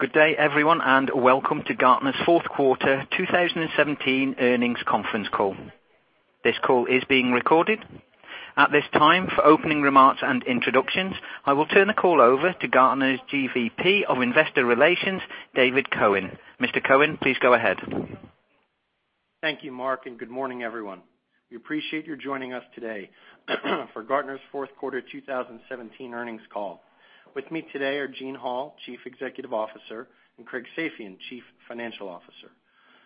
Good day, everyone, and welcome to Gartner's fourth quarter 2017 earnings conference call. This call is being recorded. At this time, for opening remarks and introductions, I will turn the call over to Gartner's GVP of Investor Relations, David Cohen. Mr. Cohen, please go ahead. Thank you, Mark, and good morning, everyone. We appreciate you joining us today for Gartner's fourth quarter 2017 earnings call. With me today are Gene Hall, Chief Executive Officer, and Craig Safian, Chief Financial Officer.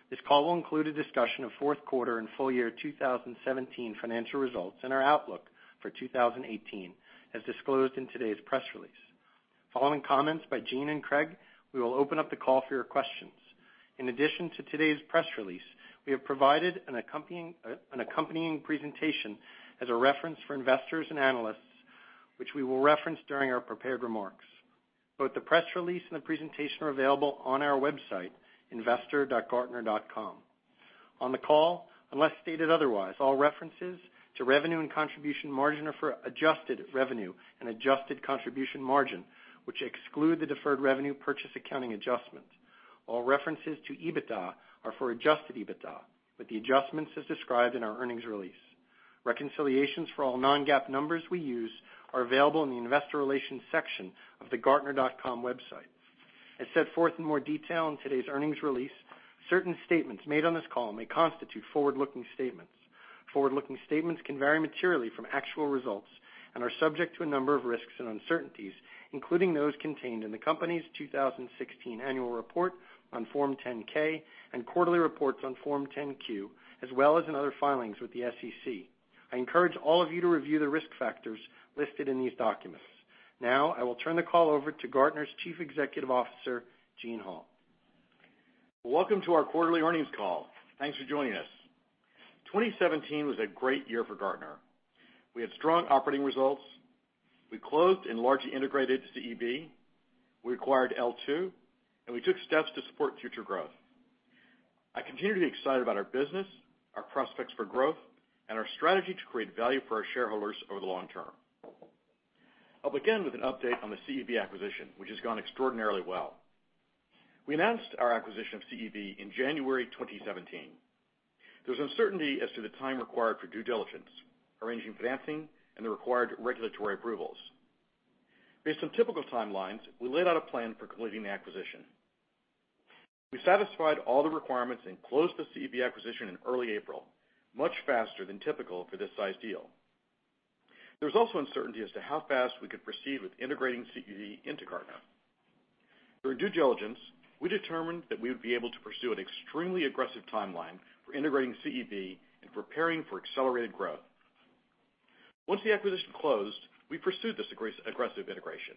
This call will include a discussion of fourth quarter and full year 2017 financial results and our outlook for 2018, as disclosed in today's press release. Following comments by Gene and Craig, we will open up the call for your questions. In addition to today's press release, we have provided an accompanying presentation as a reference for investors and analysts, which we will reference during our prepared remarks. Both the press release and the presentation are available on our website, investor.gartner.com. On the call, unless stated otherwise, all references to revenue and contribution margin are for adjusted revenue and adjusted contribution margin, which exclude the deferred revenue purchase accounting adjustment. All references to EBITDA are for adjusted EBITDA, with the adjustments as described in our earnings release. Reconciliations for all non-GAAP numbers we use are available in the investor relations section of the gartner.com website. As set forth in more detail in today's earnings release, certain statements made on this call may constitute forward-looking statements. Forward-looking statements can vary materially from actual results and are subject to a number of risks and uncertainties, including those contained in the company's 2016 annual report on Form 10-K and quarterly reports on Form 10-Q, as well as in other filings with the SEC. I encourage all of you to review the risk factors listed in these documents. Now, I will turn the call over to Gartner's Chief Executive Officer, Gene Hall. Welcome to our quarterly earnings call. Thanks for joining us. 2017 was a great year for Gartner. We had strong operating results. We closed and largely integrated CEB. We acquired L2, and we took steps to support future growth. I continue to be excited about our business, our prospects for growth, and our strategy to create value for our shareholders over the long term. I'll begin with an update on the CEB acquisition, which has gone extraordinarily well. We announced our acquisition of CEB in January 2017. There was uncertainty as to the time required for due diligence, arranging financing, and the required regulatory approvals. Based on typical timelines, we laid out a plan for completing the acquisition. We satisfied all the requirements and closed the CEB acquisition in early April, much faster than typical for this size deal. There was also uncertainty as to how fast we could proceed with integrating CEB into Gartner. Through due diligence, we determined that we would be able to pursue an extremely aggressive timeline for integrating CEB and preparing for accelerated growth. Once the acquisition closed, we pursued this aggressive integration.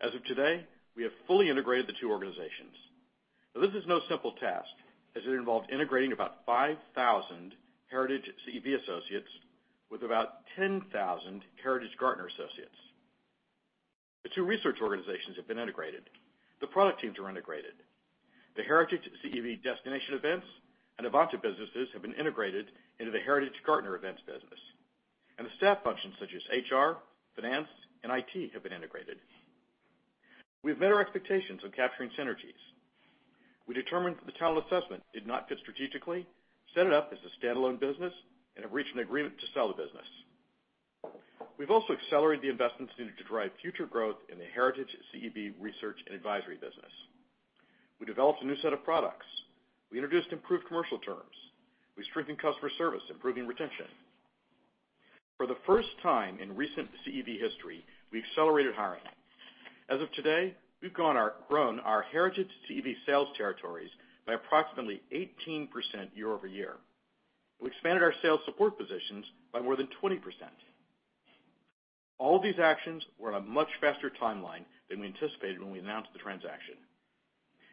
As of today, we have fully integrated the two organizations. This is no simple task, as it involved integrating about 5,000 Heritage CEB associates with about 10,000 heritage Gartner associates. The two research organizations have been integrated. The product teams are integrated. The Heritage CEB destination events and Evanta businesses have been integrated into the heritage Gartner events business. The staff functions such as HR, finance, and IT have been integrated. We have met our expectations of capturing synergies. We determined that the talent assessment did not fit strategically, set it up as a standalone business, and have reached an agreement to sell the business. We've also accelerated the investments needed to drive future growth in the Heritage CEB research and advisory business. We developed a new set of products. We introduced improved commercial terms. We strengthened customer service, improving retention. For the first time in recent CEB history, we accelerated hiring. As of today, we've grown our Heritage CEB sales territories by approximately 18% year-over-year. We expanded our sales support positions by more than 20%. All these actions were on a much faster timeline than we anticipated when we announced the transaction,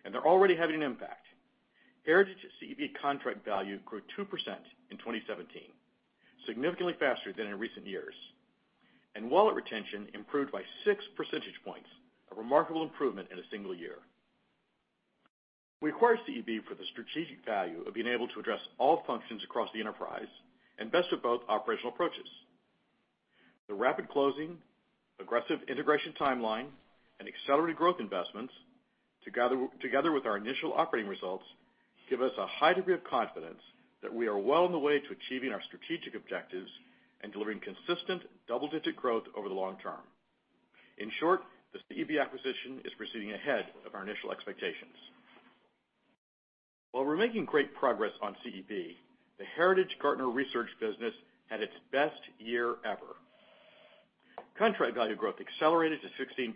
and they're already having an impact. Heritage CEB contract value grew 2% in 2017, significantly faster than in recent years. Wallet retention improved by 6 percentage points, a remarkable improvement in a single year. We acquired CEB for the strategic value of being able to address all functions across the enterprise and best of both operational approaches. The rapid closing, aggressive integration timeline, and accelerated growth investments, together with our initial operating results, give us a high degree of confidence that we are well on the way to achieving our strategic objectives and delivering consistent double-digit growth over the long term. In short, the CEB acquisition is proceeding ahead of our initial expectations. While we're making great progress on CEB, the Heritage Gartner research business had its best year ever. Contract value growth accelerated to 16%.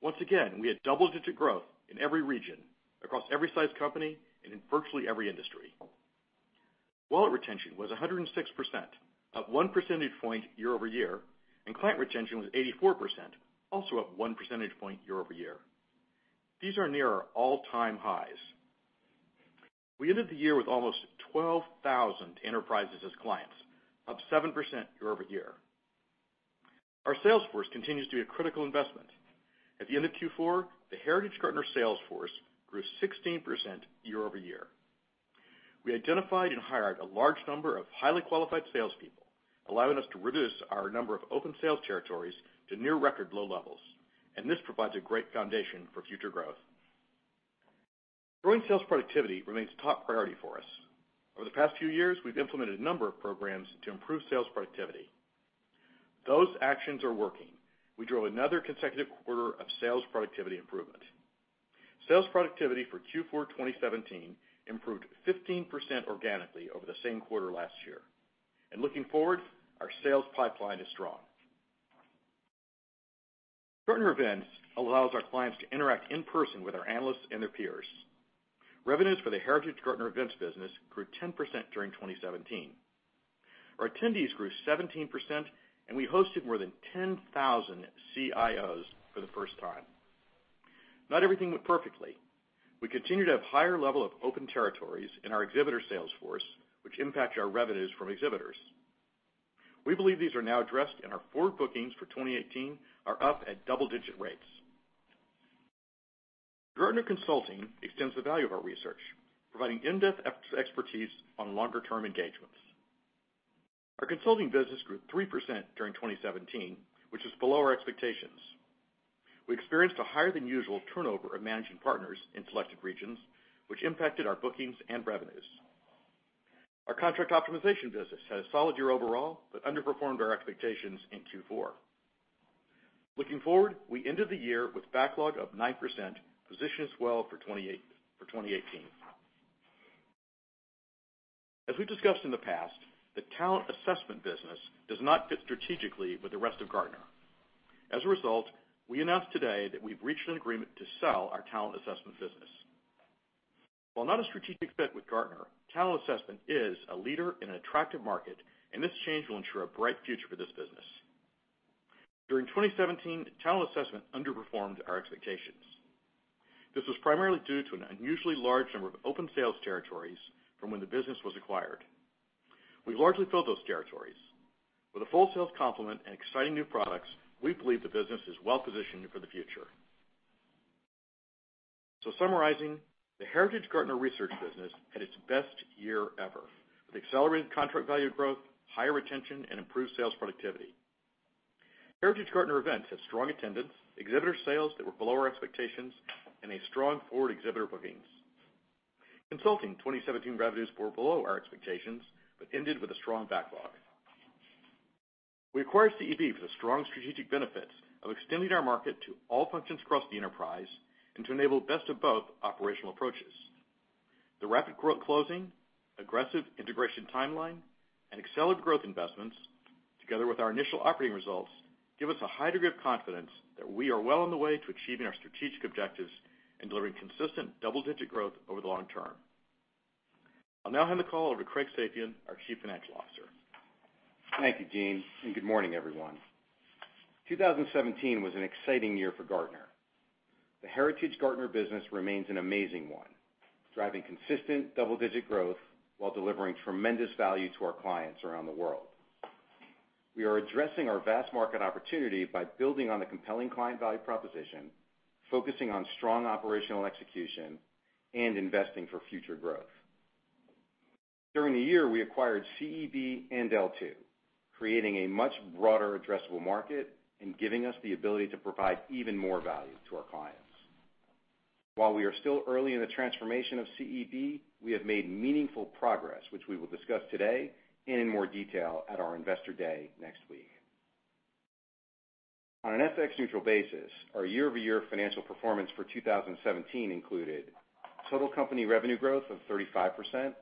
Once again, we had double-digit growth in every region across every size company and in virtually every industry. Wallet retention was 106%, up 1 percentage point year-over-year, and client retention was 84%, also up 1 percentage point year-over-year. These are near our all-time highs. We ended the year with almost 12,000 enterprises as clients, up 7% year-over-year. Our sales force continues to be a critical investment. At the end of Q4, the Heritage Gartner sales force grew 16% year-over-year. We identified and hired a large number of highly qualified salespeople, allowing us to reduce our number of open sales territories to near record low levels, and this provides a great foundation for future growth. Growing sales productivity remains top priority for us. Over the past few years, we've implemented a number of programs to improve sales productivity. Those actions are working. We drove another consecutive quarter of sales productivity improvement. Sales productivity for Q4 2017 improved 15% organically over the same quarter last year. Looking forward, our sales pipeline is strong. Gartner Events allows our clients to interact in person with our analysts and their peers. Revenues for the Heritage Gartner events business grew 10% during 2017. Our attendees grew 17%, and we hosted more than 10,000 CIOs for the first time. Not everything went perfectly. We continue to have higher level of open territories in our exhibitor sales force, which impact our revenues from exhibitors. We believe these are now addressed, and our forward bookings for 2018 are up at double-digit rates. Gartner Consulting extends the value of our research, providing in-depth expertise on longer-term engagements. Our consulting business grew 3% during 2017, which is below our expectations. We experienced a higher than usual turnover of managing partners in selected regions, which impacted our bookings and revenues. Our contract optimization business had a solid year overall but underperformed our expectations in Q4. Looking forward, we ended the year with backlog of 9%, positions well for 2018. As we've discussed in the past, the talent assessment business does not fit strategically with the rest of Gartner. We announced today that we've reached an agreement to sell our talent assessment business. While not a strategic fit with Gartner, talent assessment is a leader in an attractive market, and this change will ensure a bright future for this business. During 2017, talent assessment underperformed our expectations. This was primarily due to an unusually large number of open sales territories from when the business was acquired. We've largely filled those territories. With a full sales complement and exciting new products, we believe the business is well-positioned for the future. Summarizing, the Heritage Gartner research business had its best year ever, with accelerated contract value growth, higher retention, and improved sales productivity. Heritage Gartner events had strong attendance, exhibitor sales that were below our expectations, and a strong forward exhibitor bookings. Consulting 2017 revenues were below our expectations but ended with a strong backlog. We acquired CEB for the strong strategic benefits of extending our market to all functions across the enterprise and to enable best of both operational approaches. The rapid growth closing, aggressive integration timeline, and accelerated growth investments, together with our initial operating results, give us a high degree of confidence that we are well on the way to achieving our strategic objectives and delivering consistent double-digit growth over the long term. I'll now hand the call over to Craig Safian, our Chief Financial Officer. Thank you, Gene. Good morning, everyone. 2017 was an exciting year for Gartner. The Heritage Gartner business remains an amazing one, driving consistent double-digit growth while delivering tremendous value to our clients around the world. We are addressing our vast market opportunity by building on the compelling client value proposition, focusing on strong operational execution, and investing for future growth. During the year, we acquired CEB and L2, creating a much broader addressable market and giving us the ability to provide even more value to our clients. While we are still early in the transformation of CEB, we have made meaningful progress, which we will discuss today and in more detail at our Investor Day next week. On an FX neutral basis, our year-over-year financial performance for 2017 included total company revenue growth of 35%,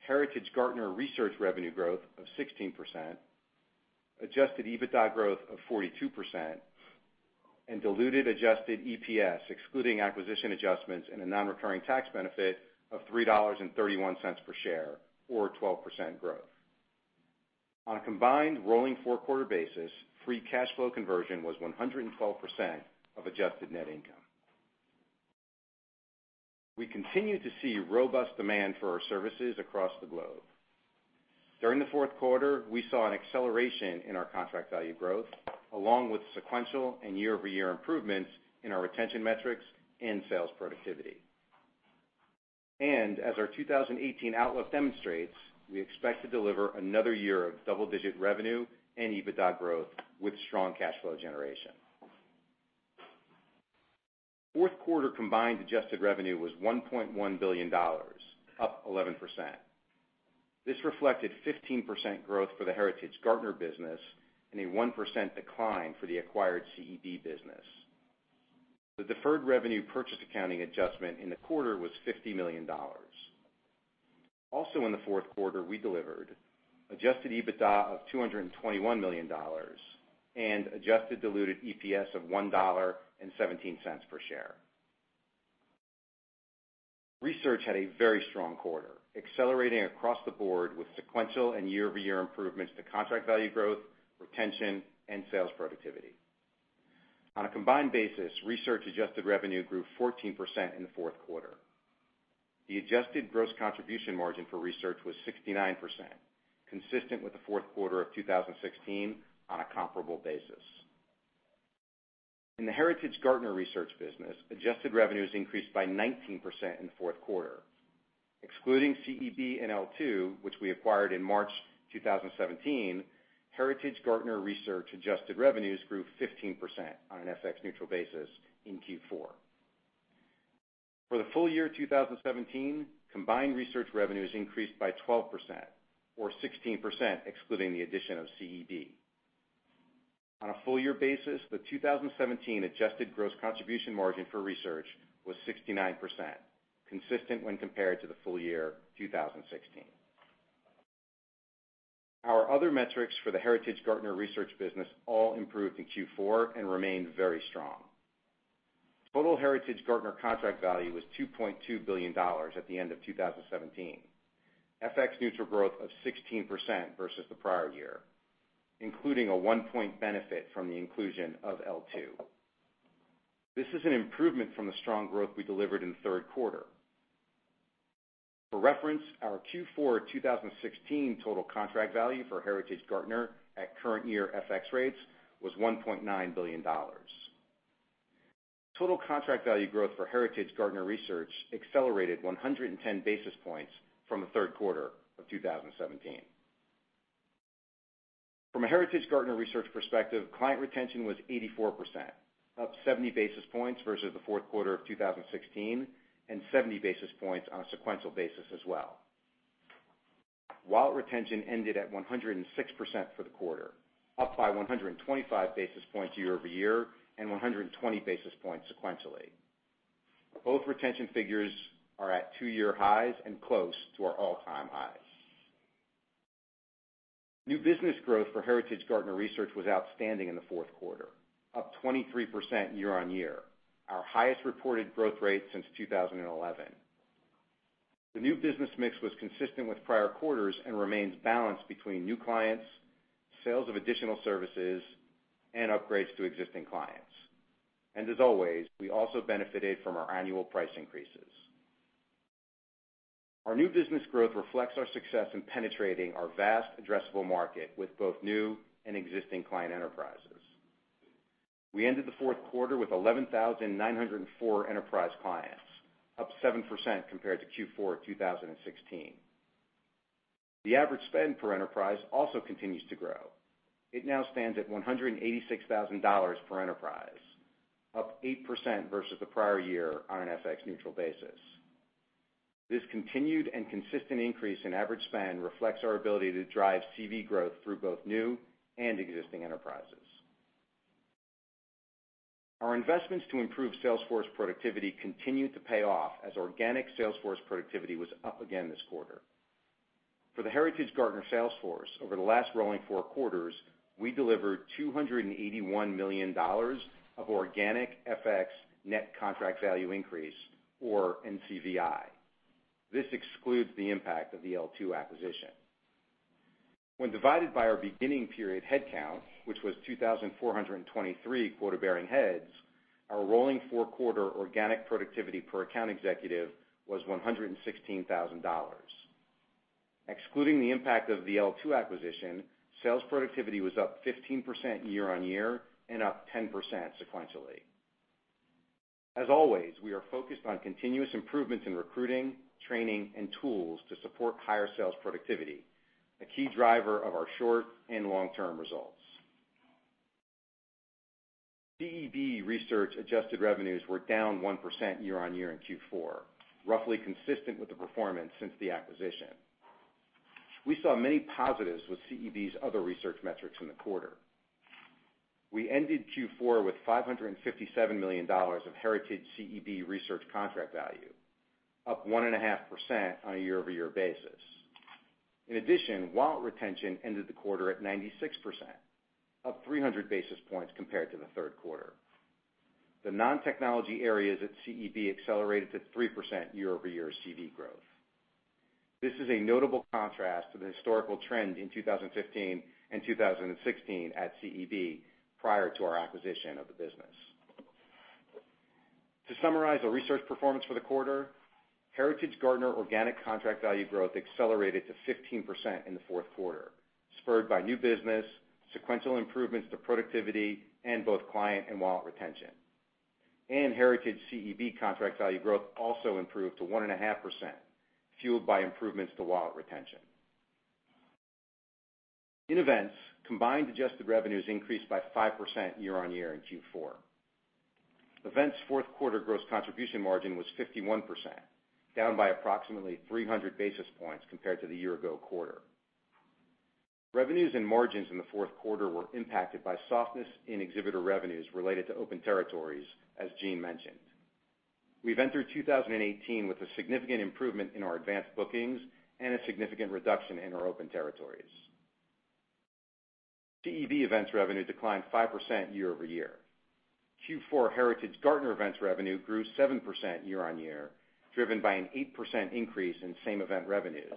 Heritage Gartner research revenue growth of 16%, adjusted EBITDA growth of 42%, and diluted adjusted EPS, excluding acquisition adjustments and a non-recurring tax benefit of $3.31 per share or 12% growth. On a combined rolling four-quarter basis, free cash flow conversion was 112% of adjusted net income. We continue to see robust demand for our services across the globe. During the fourth quarter, we saw an acceleration in our contract value growth, along with sequential and year-over-year improvements in our retention metrics and sales productivity. As our 2018 outlook demonstrates, we expect to deliver another year of double-digit revenue and EBITDA growth with strong cash flow generation. Fourth quarter combined adjusted revenue was $1.1 billion, up 11%. This reflected 15% growth for the Heritage Gartner business and a 1% decline for the acquired CEB business. The deferred revenue purchase accounting adjustment in the quarter was $50 million. In the fourth quarter, we delivered adjusted EBITDA of $221 million and adjusted diluted EPS of $1.17 per share. Research had a very strong quarter, accelerating across the board with sequential and year-over-year improvements to contract value growth, retention, and sales productivity. On a combined basis, research adjusted revenue grew 14% in the fourth quarter. The adjusted gross contribution margin for research was 69%, consistent with the fourth quarter of 2016 on a comparable basis. In the Heritage Gartner research business, adjusted revenues increased by 19% in the fourth quarter. Excluding CEB and L2, which we acquired in March 2017, Heritage Gartner Research adjusted revenues grew 15% on an FX neutral basis in Q4. For the full year 2017, combined research revenues increased by 12% or 16% excluding the addition of CEB. On a full year basis, the 2017 adjusted gross contribution margin for research was 69%, consistent when compared to the full year 2016. Our other metrics for the Heritage Gartner research business all improved in Q4 and remained very strong. Total Heritage Gartner contract value was $2.2 billion at the end of 2017. FX neutral growth of 16% versus the prior year, including a 1-point benefit from the inclusion of L2. This is an improvement from the strong growth we delivered in the third quarter. For reference, our Q4 2016 total contract value for Heritage Gartner at current year FX rates was $1.9 billion. Total contract value growth for Heritage Gartner research accelerated 110 basis points from the third quarter of 2017. From a Heritage Gartner research perspective, client retention was 84%, up 70 basis points versus the fourth quarter of 2016, and 70 basis points on a sequential basis as well. Wallet retention ended at 106% for the quarter, up by 125 basis points year-over-year and 120 basis points sequentially. Both retention figures are at two-year highs and close to our all-time highs. New business growth for Heritage Gartner research was outstanding in the fourth quarter, up 23% year-on-year, our highest reported growth rate since 2011. The new business mix was consistent with prior quarters and remains balanced between new clients, sales of additional services, and upgrades to existing clients. As always, we also benefited from our annual price increases. Our new business growth reflects our success in penetrating our vast addressable market with both new and existing client enterprises. We ended the fourth quarter with 11,904 enterprise clients, up 7% compared to Q4 2016. The average spend per enterprise also continues to grow. It now stands at $186,000 per enterprise, up 8% versus the prior year on an FX neutral basis. This continued and consistent increase in average spend reflects our ability to drive CV growth through both new and existing enterprises. Our investments to improve sales force productivity continued to pay off as organic sales force productivity was up again this quarter. For the Heritage Gartner sales force over the last growing four quarters, we delivered $281 million of organic FX net contract value increase or NCVI. This excludes the impact of the L2 acquisition. When divided by our beginning period headcount, which was 2,423 quota-bearing heads, our rolling four-quarter organic productivity per account executive was $116,000. Excluding the impact of the L2 acquisition, sales productivity was up 15% year-on-year and up 10% sequentially. As always, we are focused on continuous improvements in recruiting, training, and tools to support higher sales productivity, a key driver of our short and long-term results. CEB research adjusted revenues were down 1% year-on-year in Q4, roughly consistent with the performance since the acquisition. We saw many positives with CEB's other research metrics in the quarter. We ended Q4 with $557 million of Heritage CEB research contract value, up 1.5% on a year-over-year basis. In addition, wallet retention ended the quarter at 96%, up 300 basis points compared to the third quarter. The non-technology areas at CEB accelerated to 3% year-over-year CV growth. This is a notable contrast to the historical trend in 2015 and 2016 at CEB prior to our acquisition of the business. To summarize our research performance for the quarter, Heritage Gartner organic contract value growth accelerated to 15% in the fourth quarter, spurred by new business, sequential improvements to productivity in both client and wallet retention. Heritage CEB contract value growth also improved to 1.5%, fueled by improvements to wallet retention. In events, combined adjusted revenues increased by 5% year-on-year in Q4. Events' fourth quarter gross contribution margin was 51%, down by approximately 300 basis points compared to the year ago quarter. Revenues and margins in the fourth quarter were impacted by softness in exhibitor revenues related to open territories, as Gene mentioned. We've entered 2018 with a significant improvement in our advanced bookings and a significant reduction in our open territories. CEB events revenue declined 5% year-over-year. Q4 Heritage Gartner events revenue grew 7% year-on-year, driven by an 8% increase in same-event revenues,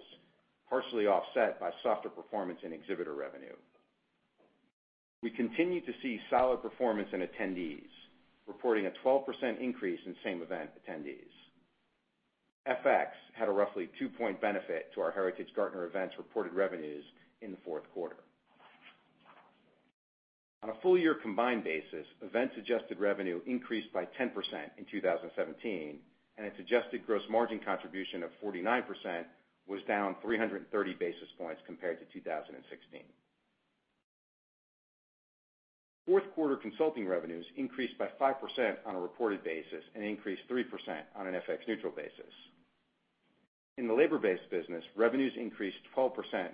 partially offset by softer performance in exhibitor revenue. We continue to see solid performance in attendees, reporting a 12% increase in same-event attendees. FX had a roughly 2-point benefit to our Heritage Gartner Events reported revenues in the fourth quarter. On a full-year combined basis, events adjusted revenue increased by 10% in 2017, and its adjusted gross margin contribution of 49% was down 330 basis points compared to 2016. Fourth quarter consulting revenues increased by 5% on a reported basis and increased 3% on an FX neutral basis. In the labor-based business, revenues increased 12%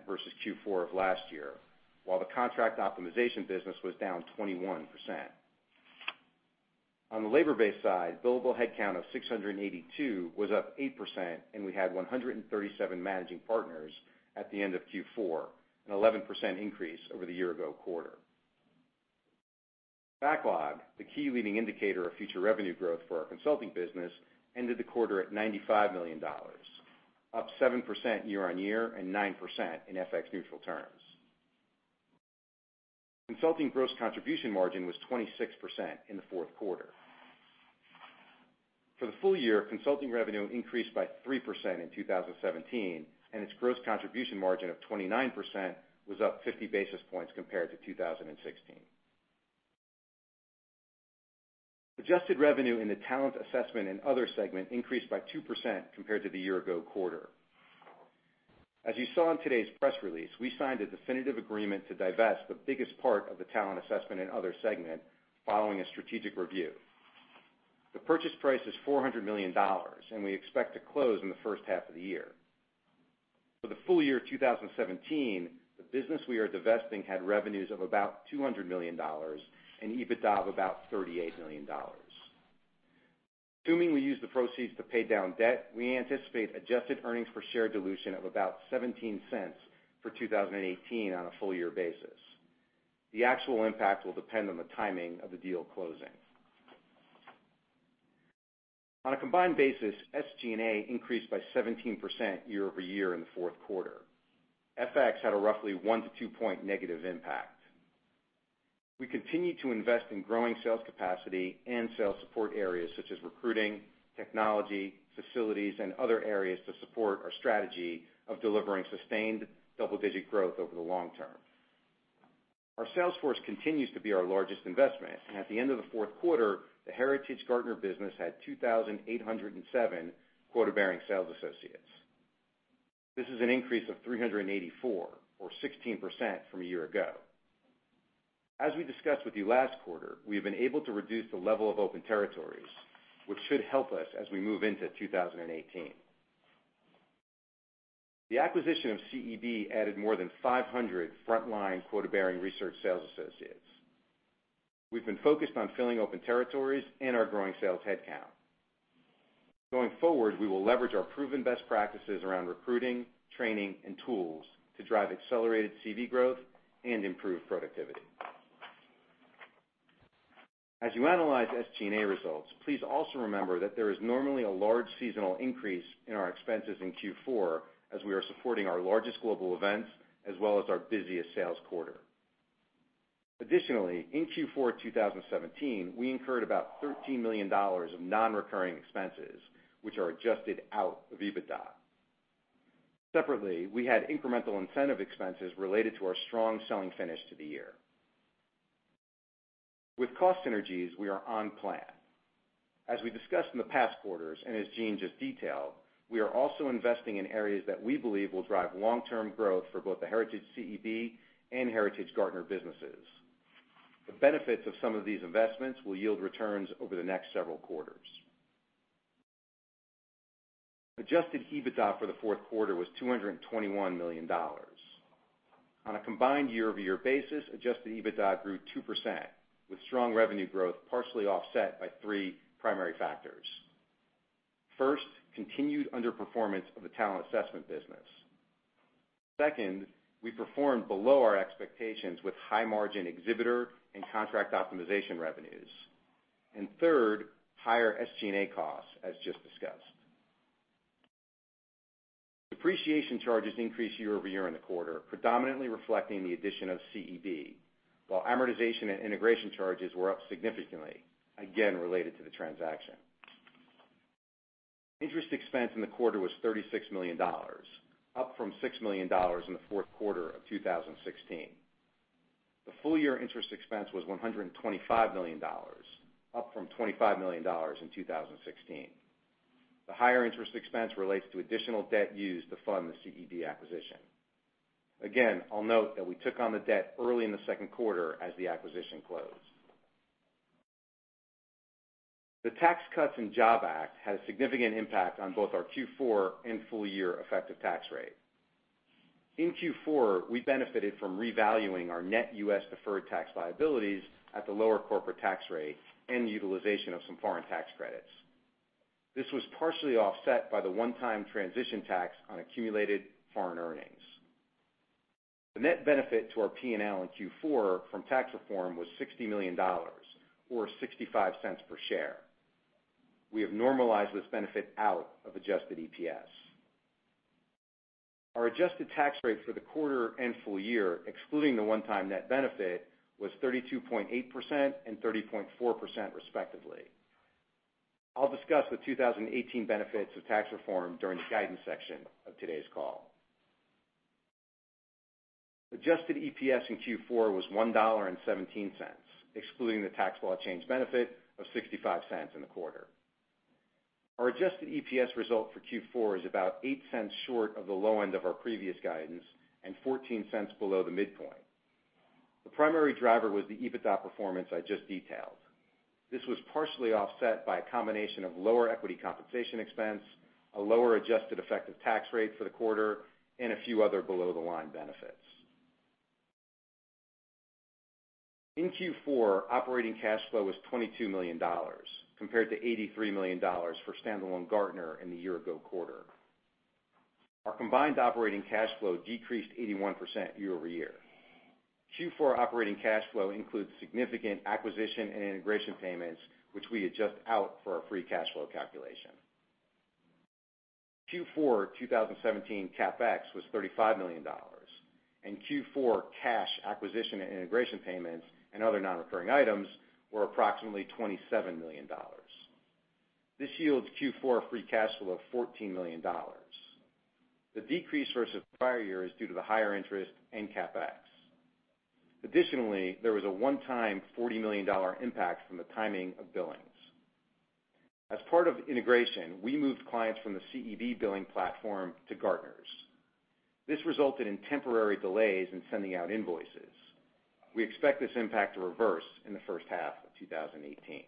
versus Q4 of last year, while the contract optimization business was down 21%. On the labor-based side, billable headcount of 682 was up 8%, and we had 137 managing partners at the end of Q4, an 11% increase over the year-ago quarter. Backlog, the key leading indicator of future revenue growth for our consulting business, ended the quarter at $95 million, up 7% year-on-year and 9% in FX neutral terms. Consulting gross contribution margin was 26% in the fourth quarter. For the full year, consulting revenue increased by 3% in 2017, and its gross contribution margin of 29% was up 50 basis points compared to 2016. Adjusted revenue in the talent assessment and other segment increased by 2% compared to the year-ago quarter. As you saw in today's press release, we signed a definitive agreement to divest the biggest part of the Talent Assessment and Other segment following a strategic review. The purchase price is $400 million, and we expect to close in the first half of the year. For the full year of 2017, the business we are divesting had revenues of about $200 million and EBITDA of about $38 million. Assuming we use the proceeds to pay down debt, we anticipate adjusted earnings per share dilution of about $0.17 for 2018 on a full year basis. The actual impact will depend on the timing of the deal closing. On a combined basis, SG&A increased by 17% year-over-year in the fourth quarter. FX had a roughly 1-2 point negative impact. We continue to invest in growing sales capacity and sales support areas such as recruiting, technology, facilities, and other areas to support our strategy of delivering sustained double-digit growth over the long term. Our sales force continues to be our largest investment, and at the end of the fourth quarter, the Heritage Gartner business had 2,807 quota-bearing sales associates. This is an increase of 384 or 16% from a year ago. As we discussed with you last quarter, we have been able to reduce the level of open territories, which should help us as we move into 2018. The acquisition of CEB added more than 500 frontline quota-bearing research sales associates. We've been focused on filling open territories and our growing sales headcount. Going forward, we will leverage our proven best practices around recruiting, training, and tools to drive accelerated CV growth and improve productivity. As you analyze SG&A results, please also remember that there is normally a large seasonal increase in our expenses in Q4 as we are supporting our largest global events as well as our busiest sales quarter. Additionally, in Q4 2017, we incurred about $13 million of non-recurring expenses, which are adjusted out of EBITDA. Separately, we had incremental incentive expenses related to our strong selling finish to the year. With cost synergies, we are on plan. As we discussed in the past quarters, and as Gene just detailed, we are also investing in areas that we believe will drive long-term growth for both the Heritage CEB and Heritage Gartner businesses. The benefits of some of these investments will yield returns over the next several quarters. Adjusted EBITDA for the fourth quarter was $221 million. On a combined year-over-year basis, adjusted EBITDA grew 2%, with strong revenue growth partially offset by three primary factors. First, continued underperformance of the talent assessment business. Second, we performed below our expectations with high margin exhibitor and contract optimization revenues. Third, higher SG&A costs, as just discussed. Depreciation charges increased year-over-year in the quarter, predominantly reflecting the addition of CEB, while amortization and integration charges were up significantly, again related to the transaction. Interest expense in the quarter was $36 million, up from $6 million in the fourth quarter of 2016. The full-year interest expense was $125 million, up from $25 million in 2016. The higher interest expense relates to additional debt used to fund the CEB acquisition. Again, I'll note that we took on the debt early in the second quarter as the acquisition closed. The Tax Cuts and Jobs Act had a significant impact on both our Q4 and full year effective tax rate. In Q4, we benefited from revaluing our net U.S. deferred tax liabilities at the lower corporate tax rate and utilization of some foreign tax credits. This was partially offset by the one-time transition tax on accumulated foreign earnings. The net benefit to our P&L in Q4 from tax reform was $60 million or $0.65 per share. We have normalized this benefit out of adjusted EPS. Our adjusted tax rate for the quarter and full year, excluding the one-time net benefit, was 32.8% and 30.4% respectively. I'll discuss the 2018 benefits of tax reform during the guidance section of today's call. Adjusted EPS in Q4 was $1.17, excluding the tax law change benefit of $0.65 in the quarter. Our adjusted EPS result for Q4 is about $0.08 short of the low end of our previous guidance and $0.14 below the midpoint. The primary driver was the EBITDA performance I just detailed. This was partially offset by a combination of lower equity compensation expense, a lower adjusted effective tax rate for the quarter, and a few other below-the-line benefits. In Q4, operating cash flow was $22 million compared to $83 million for standalone Gartner in the year ago quarter. Our combined operating cash flow decreased 81% year-over-year. Q4 operating cash flow includes significant acquisition and integration payments, which we adjust out for our free cash flow calculation. Q4 2017 CapEx was $35 million, and Q4 cash acquisition and integration payments and other non-recurring items were approximately $27 million. This yields Q4 free cash flow of $14 million. The decrease versus prior year is due to the higher interest in CapEx. Additionally, there was a one-time $40 million impact from the timing of billings. As part of integration, we moved clients from the CEB billing platform to Gartner's. This resulted in temporary delays in sending out invoices. We expect this impact to reverse in the first half of 2018.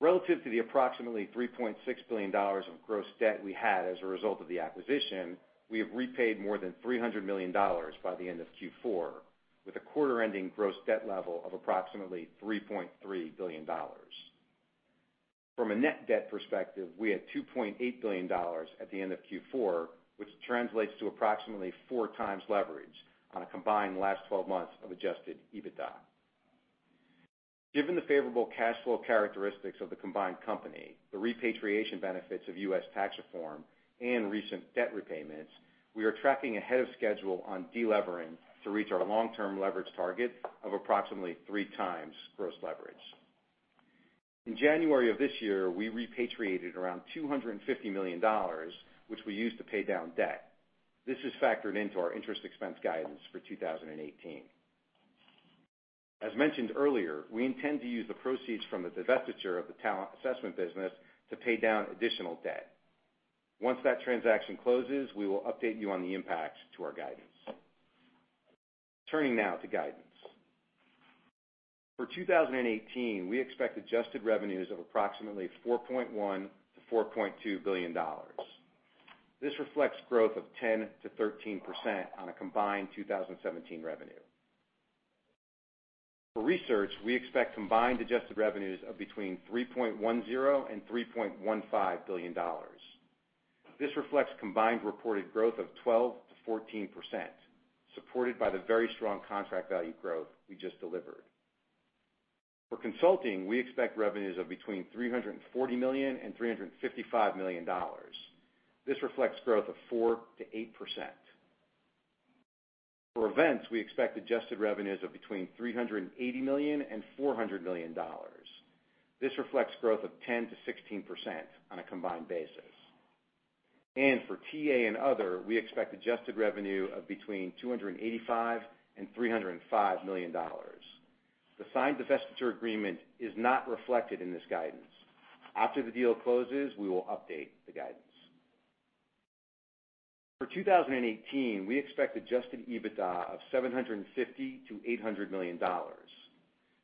Relative to the approximately $3.6 billion of gross debt we had as a result of the acquisition, we have repaid more than $300 million by the end of Q4, with a quarter-ending gross debt level of approximately $3.3 billion. From a net debt perspective, we had $2.8 billion at the end of Q4, which translates to approximately 4x leverage on a combined last 12 months of adjusted EBITDA. Given the favorable cash flow characteristics of the combined company, the repatriation benefits of U.S. Tax Reform and recent debt repayments, we are tracking ahead of schedule on de-levering to reach our long-term leverage target of approximately 3x gross leverage. In January of this year, we repatriated around $250 million, which we used to pay down debt. This is factored into our interest expense guidance for 2018. As mentioned earlier, we intend to use the proceeds from the divestiture of the talent assessment business to pay down additional debt. Once that transaction closes, we will update you on the impacts to our guidance. Turning now to guidance. For 2018, we expect adjusted revenues of approximately $4.1 billion-$4.2 billion. This reflects growth of 10%-13% on a combined 2017 revenue. For research, we expect combined adjusted revenues of between $3.10 billion and $3.15 billion. This reflects combined reported growth of 12%-14%, supported by the very strong contract value growth we just delivered. For consulting, we expect revenues of between $340 million and $355 million. This reflects growth of 4%-8%. For events, we expect adjusted revenues of between $380 million and $400 million. This reflects growth of 10%-16% on a combined basis. For TA and Other, we expect adjusted revenue of between $285 million and $305 million. The signed divestiture agreement is not reflected in this guidance. After the deal closes, we will update the guidance. For 2018, we expect adjusted EBITDA of $750 million-$800 million.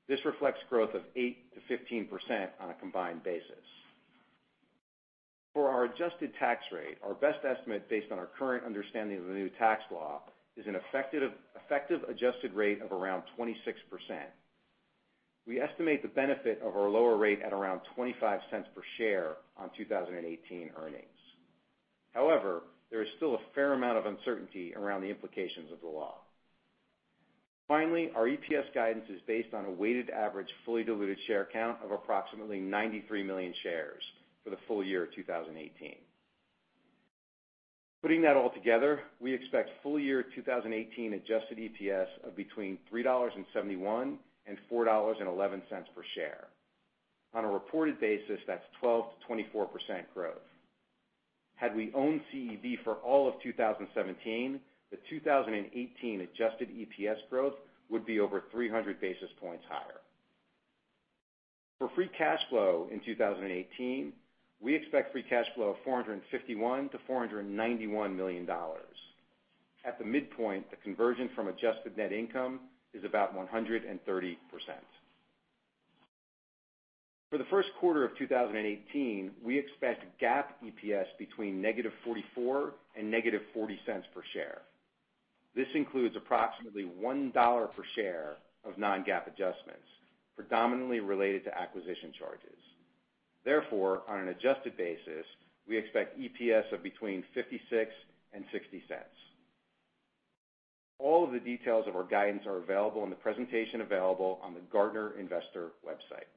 This reflects growth of 8%-15% on a combined basis. For our adjusted tax rate, our best estimate based on our current understanding of the new tax law is an effective adjusted rate of around 26%. We estimate the benefit of our lower rate at around $0.25 per share on 2018 earnings. There is still a fair amount of uncertainty around the implications of the law. Our EPS guidance is based on a weighted average fully diluted share count of approximately 93 million shares for the full year 2018. Putting that all together, we expect full year 2018 adjusted EPS of between $3.71 and $4.11 per share. On a reported basis, that's 12%-24% growth. Had we owned CEB for all of 2017, the 2018 adjusted EPS growth would be over 300 basis points higher. For free cash flow in 2018, we expect free cash flow of $451 million-$491 million. At the midpoint, the conversion from adjusted net income is about 130%. For the first quarter of 2018, we expect GAAP EPS between -$0.44 and -$0.40 per share. This includes approximately $1 per share of non-GAAP adjustments, predominantly related to acquisition charges. On an adjusted basis, we expect EPS of between $0.56 and $0.60. All of the details of our guidance are available in the presentation available on the Gartner investor website.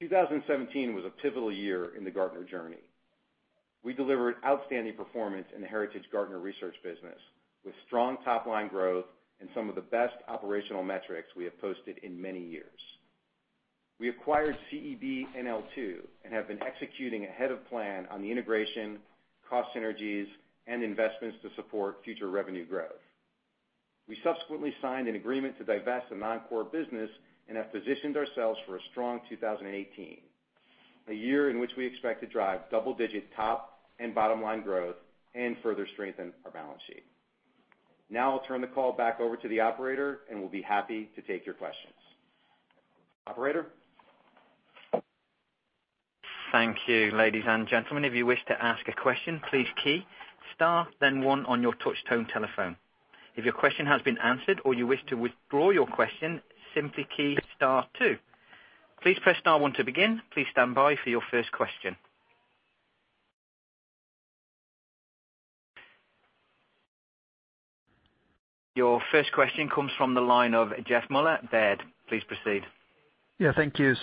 2017 was a pivotal year in the Gartner journey. We delivered outstanding performance in the Heritage Gartner research business, with strong top-line growth and some of the best operational metrics we have posted in many years. We acquired CEB and L2, and have been executing ahead of plan on the integration, cost synergies, and investments to support future revenue growth. We subsequently signed an agreement to divest a non-core business and have positioned ourselves for a strong 2018, a year in which we expect to drive double-digit top and bottom-line growth and further strengthen our balance sheet. I'll turn the call back over to the operator, and we'll be happy to take your questions. Operator? Thank you. Ladies and gentlemen, if you wish to ask a question, please key star then one on your touchtone telephone. If your question has been answered, or you wish to withdraw your question, simply key star two. Please press star one to begin. Please standby for your first question. Your first question comes from the line of Jeff Meuler, Baird. Please proceed. Yeah, thank you.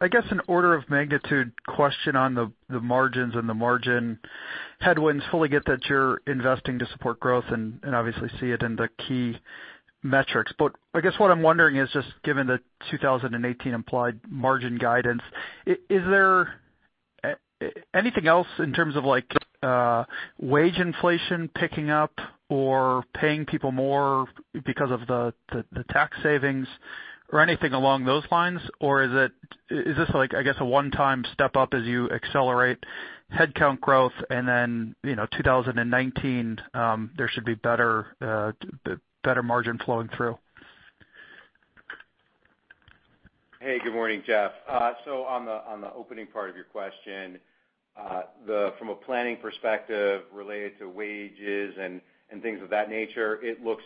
I guess an order of magnitude question on the margins and the margin headwinds. Fully get that you're investing to support growth and obviously see it in the key metrics. I guess what I'm wondering is just given the 2018 implied margin guidance, is there anything else in terms of like wage inflation picking up or paying people more because of the tax savings or anything along those lines? Is this like, I guess, a one-time step up as you accelerate headcount growth and then, you know, 2019, there should be better margin flowing through? Good morning, Jeff. On the opening part of your question, from a planning perspective related to wages and things of that nature, it looks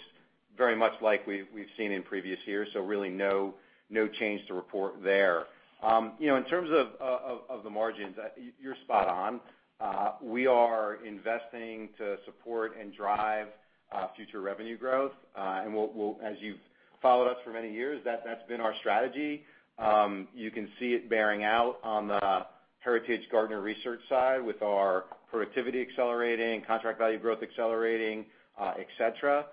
very much like we've seen in previous years, really no change to report there. You know, in terms of the margins, you're spot on. We are investing to support and drive future revenue growth, we'll As you've followed us for many years, that's been our strategy. You can see it bearing out on the Heritage Gartner research side with our productivity accelerating, contract value growth accelerating, et cetera.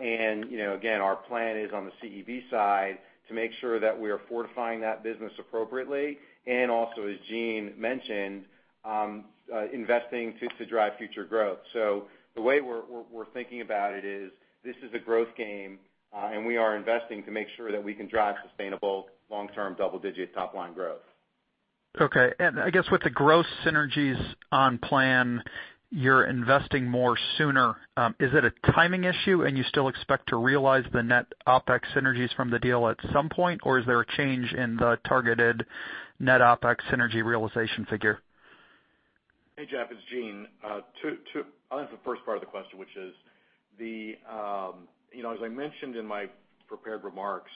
You know, again, our plan is on the CEB side to make sure that we are fortifying that business appropriately and also, as Gene mentioned, investing to drive future growth. The way we're thinking about it is this is a growth game, and we are investing to make sure that we can drive sustainable long-term double-digit top-line growth. Okay. I guess with the growth synergies on plan, you're investing more sooner. Is it a timing issue and you still expect to realize the net OpEx synergies from the deal at some point, or is there a change in the targeted net OpEx synergy realization figure? Hey, Jeff, it's Gene. I'll answer the first part of the question, which is the, you know, as I mentioned in my prepared remarks,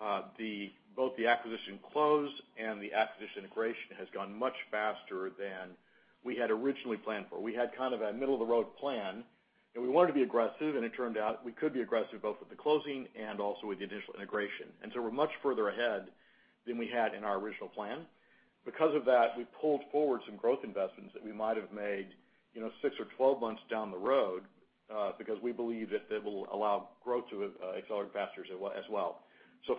both the acquisition close and the acquisition integration has gone much faster than we had originally planned for. We had kind of a middle-of-the-road plan, we wanted to be aggressive, and it turned out we could be aggressive both with the closing and also with the initial integration. We're much further ahead than we had in our original plan. Because of that, we pulled forward some growth investments that we might have made, you know, six or twelve months down the road, because we believe that they will allow growth to accelerate faster as well.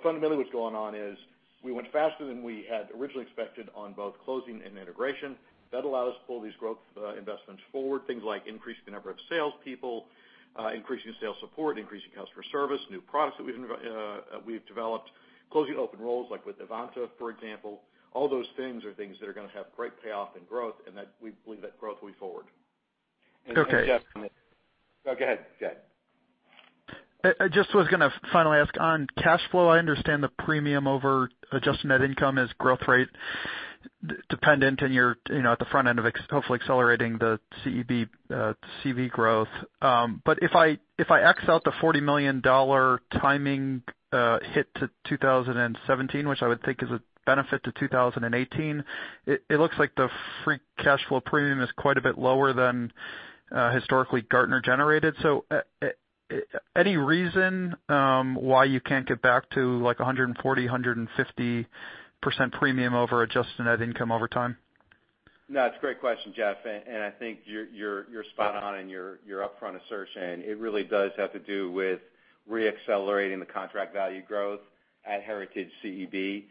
Fundamentally, what's going on is we went faster than we had originally expected on both closing and integration. That allowed us to pull these growth investments forward, things like increasing the number of salespeople, increasing sales support, increasing customer service, new products that we've developed, closing open roles, like with Evanta, for example. All those things are things that are gonna have great payoff and growth, and that we believe that growth will be forward. Okay. Oh, go ahead. Go ahead. I just was gonna finally ask on cash flow. I understand the premium over adjusted net income is growth rate dependent, and you're, you know, at the front end of hopefully accelerating the CEB CV growth. If I X out the $40 million timing hit to 2017, which I would think is a benefit to 2018, it looks like the free cash flow premium is quite a bit lower than historically Gartner generated. Any reason why you can't get back to like a 140%, 150% premium over adjusted net income over time? No, it's a great question, Jeff, and I think you're spot on in your upfront assertion. It really does have to do with re-accelerating the contract value growth at Heritage CEB.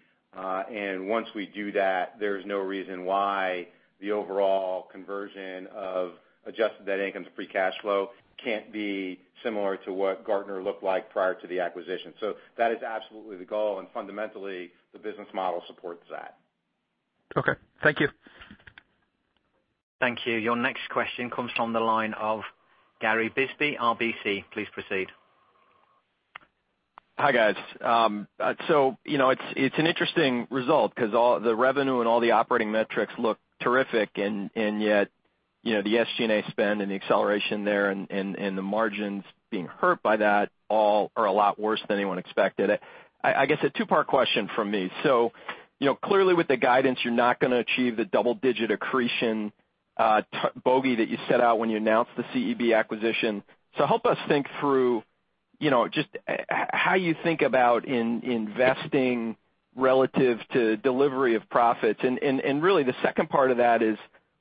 Once we do that, there's no reason why the overall conversion of adjusted net income to free cash flow can't be similar to what Gartner looked like prior to the acquisition. That is absolutely the goal, and fundamentally, the business model supports that. Okay. Thank you. Thank you. Your next question comes from the line of Gary Bisbee, RBC. Please proceed. Hi, guys. You know, it's an interesting result 'cause all the revenue and all the operating metrics look terrific, and yet, you know, the SG&A spend and the acceleration there and the margins being hurt by that all are a lot worse than anyone expected. I guess a two-part question from me. You know, clearly with the guidance, you're not gonna achieve the double-digit accretion bogey that you set out when you announced the CEB acquisition. Help us think through. You know, just how you think about investing relative to delivery of profits. Really the second part of that is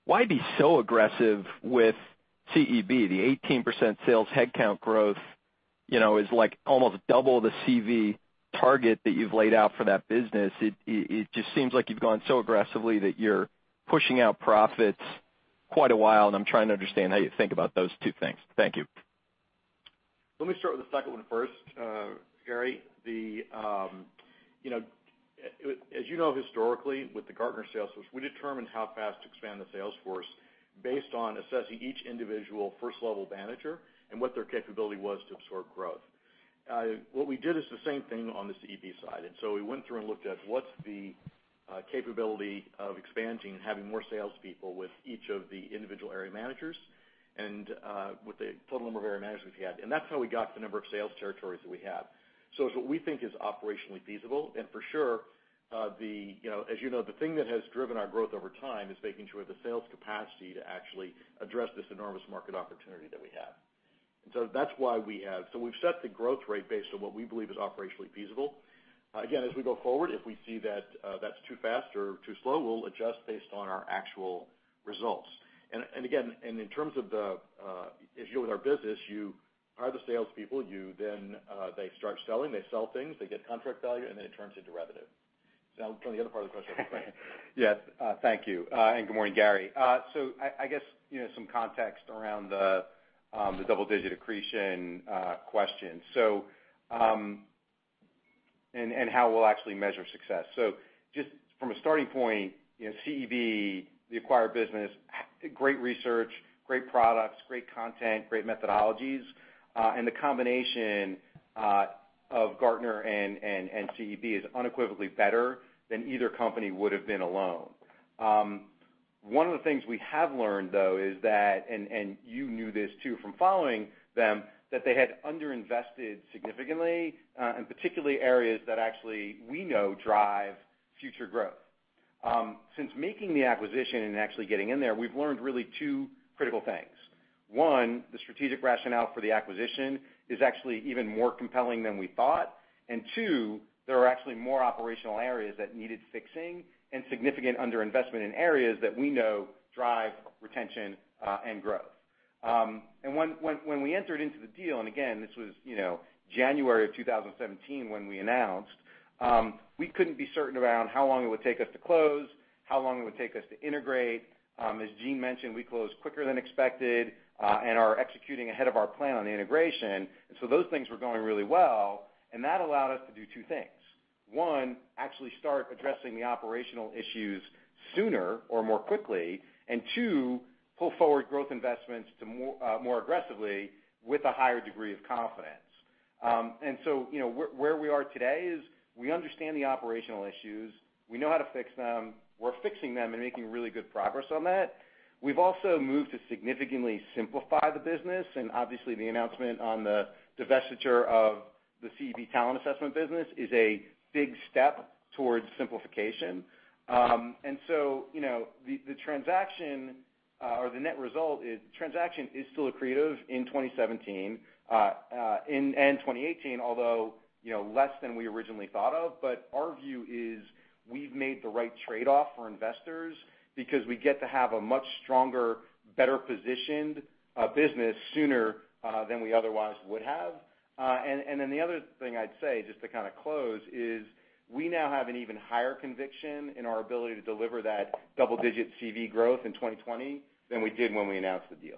why be so aggressive with CEB? The 18% sales headcount growth, you know, is like almost double the CV target that you've laid out for that business. It just seems like you've gone so aggressively that you're pushing out profits quite a while, and I'm trying to understand how you think about those two things. Thank you. Let me start with the second one first, Gary. The, you know, as you know historically, with the Gartner sales force, we determine how fast to expand the sales force based on assessing each individual first-level manager and what their capability was to absorb growth. What we did is the same thing on the CEB side. We went through and looked at what's the capability of expanding and having more salespeople with each of the individual area managers and with the total number of area managers we had. That's how we got the number of sales territories that we have. It's what we think is operationally feasible, and for sure, the, you know, as you know, the thing that has driven our growth over time is making sure the sales capacity to actually address this enormous market opportunity that we have. That's why we've set the growth rate based on what we believe is operationally feasible. Again, as we go forward, if we see that's too fast or too slow, we'll adjust based on our actual results. In terms of the issue with our business, you hire the salespeople, you then, they start selling, they sell things, they get contract value, it turns into revenue. I'll turn it to you the other part of the question. Yes, thank you. Good morning, Gary. I guess, you know, some context around the double-digit accretion question. How we'll actually measure success. Just from a starting point, you know, CEB, the acquired business, great research, great products, great content, great methodologies, and the combination of Gartner and CEB is unequivocally better than either company would have been alone. One of the things we have learned, though, is that, and you knew this too from following them, that they had underinvested significantly in particularly areas that actually we know drive future growth. Since making the acquisition and actually getting in there, we've learned really two critical things. One, the strategic rationale for the acquisition is actually even more compelling than we thought. Two, there are actually more operational areas that needed fixing and significant underinvestment in areas that we know drive retention and growth. When we entered into the deal, and again, this was, you know, January of 2017 when we announced, we couldn't be certain around how long it would take us to close, how long it would take us to integrate. As Gene mentioned, we closed quicker than expected and are executing ahead of our plan on the integration. Those things were going really well, and that allowed us to do two things. One, actually start addressing the operational issues sooner or more quickly. Two, pull forward growth investments to more aggressively with a higher degree of confidence. You know, where we are today is we understand the operational issues. We know how to fix them. We're fixing them and making really good progress on that. We've also moved to significantly simplify the business, and obviously, the announcement on the divestiture of the CEB talent assessment business is a big step towards simplification. You know, the transaction, or the net result is transaction is still accretive in 2017, in and 2018, although, you know, less than we originally thought of. Our view is we've made the right trade-off for investors because we get to have a much stronger, better positioned business sooner than we otherwise would have. The other thing I'd say, just to kind of close, is we now have an even higher conviction in our ability to deliver that double-digit CV growth in 2020 than we did when we announced the deal.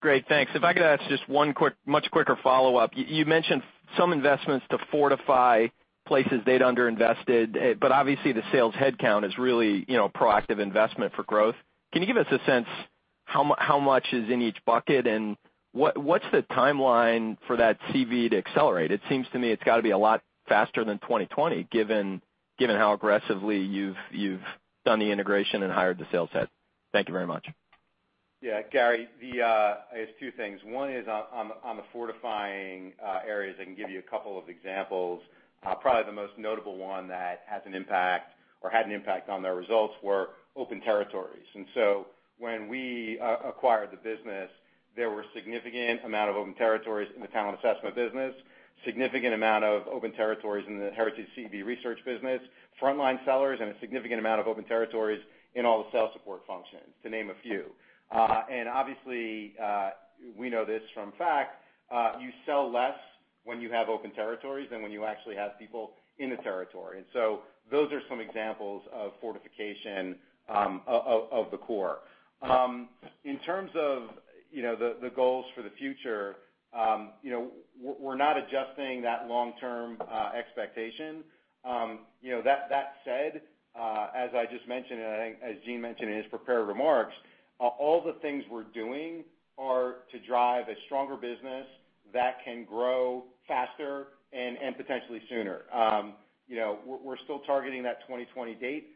Great. Thanks. If I could ask just one quick, much quicker follow-up. You mentioned some investments to fortify places they'd underinvested, but obviously the sales headcount is really, you know, proactive investment for growth. Can you give us a sense how much is in each bucket, and what's the timeline for that CV to accelerate? It seems to me it's gotta be a lot faster than 2020, given how aggressively you've done the integration and hired the sales head. Thank you very much. Gary, the, I guess two things. One is on the fortifying areas, I can give you a couple of examples. Probably the most notable one that has an impact or had an impact on their results were open territories. When we acquired the business, there were significant amount of open territories in the talent assessment business, significant amount of open territories in the Heritage CEB research business, frontline sellers, and a significant amount of open territories in all the sales support functions, to name a few. Obviously, we know this from fact, you sell less when you have open territories than when you actually have people in the territory. Those are some examples of fortification of the core. In terms of, you know, the goals for the future, you know, we're not adjusting that long-term expectation. You know, that said, as I just mentioned, and I think as Gene mentioned in his prepared remarks, all the things we're doing are to drive a stronger business that can grow faster and potentially sooner. You know, we're still targeting that 2020 date,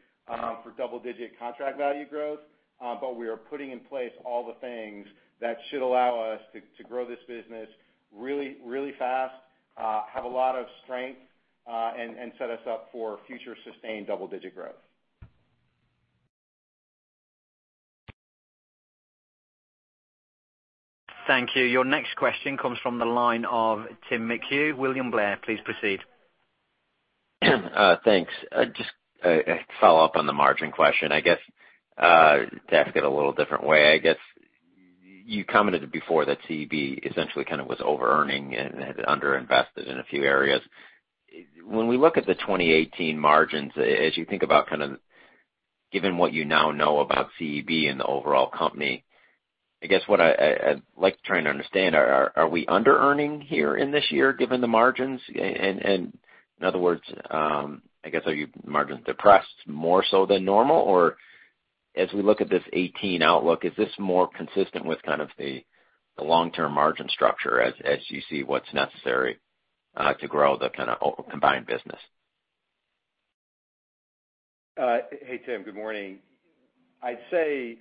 for double-digit contract value growth, but we are putting in place all the things that should allow us to grow this business really, really fast, have a lot of strength, and set us up for future sustained double-digit growth. Thank you. Your next question comes from the line of Tim McHugh, William Blair. Please proceed. Thanks. Just a follow-up on the margin question, I guess, to ask it a little different way, I guess. You commented before that CEB essentially kind of was overearning and had underinvested in a few areas. When we look at the 2018 margins, as you think about kind of given what you now know about CEB and the overall company, I guess what I'd like to try and understand, are we under-earning here in this year given the margins? In other words, I guess, are margins depressed more so than normal? As we look at this 2018 outlook, is this more consistent with kind of the long-term margin structure as you see what's necessary to grow the kinda combined business? Hey, Tim. Good morning. I'd say,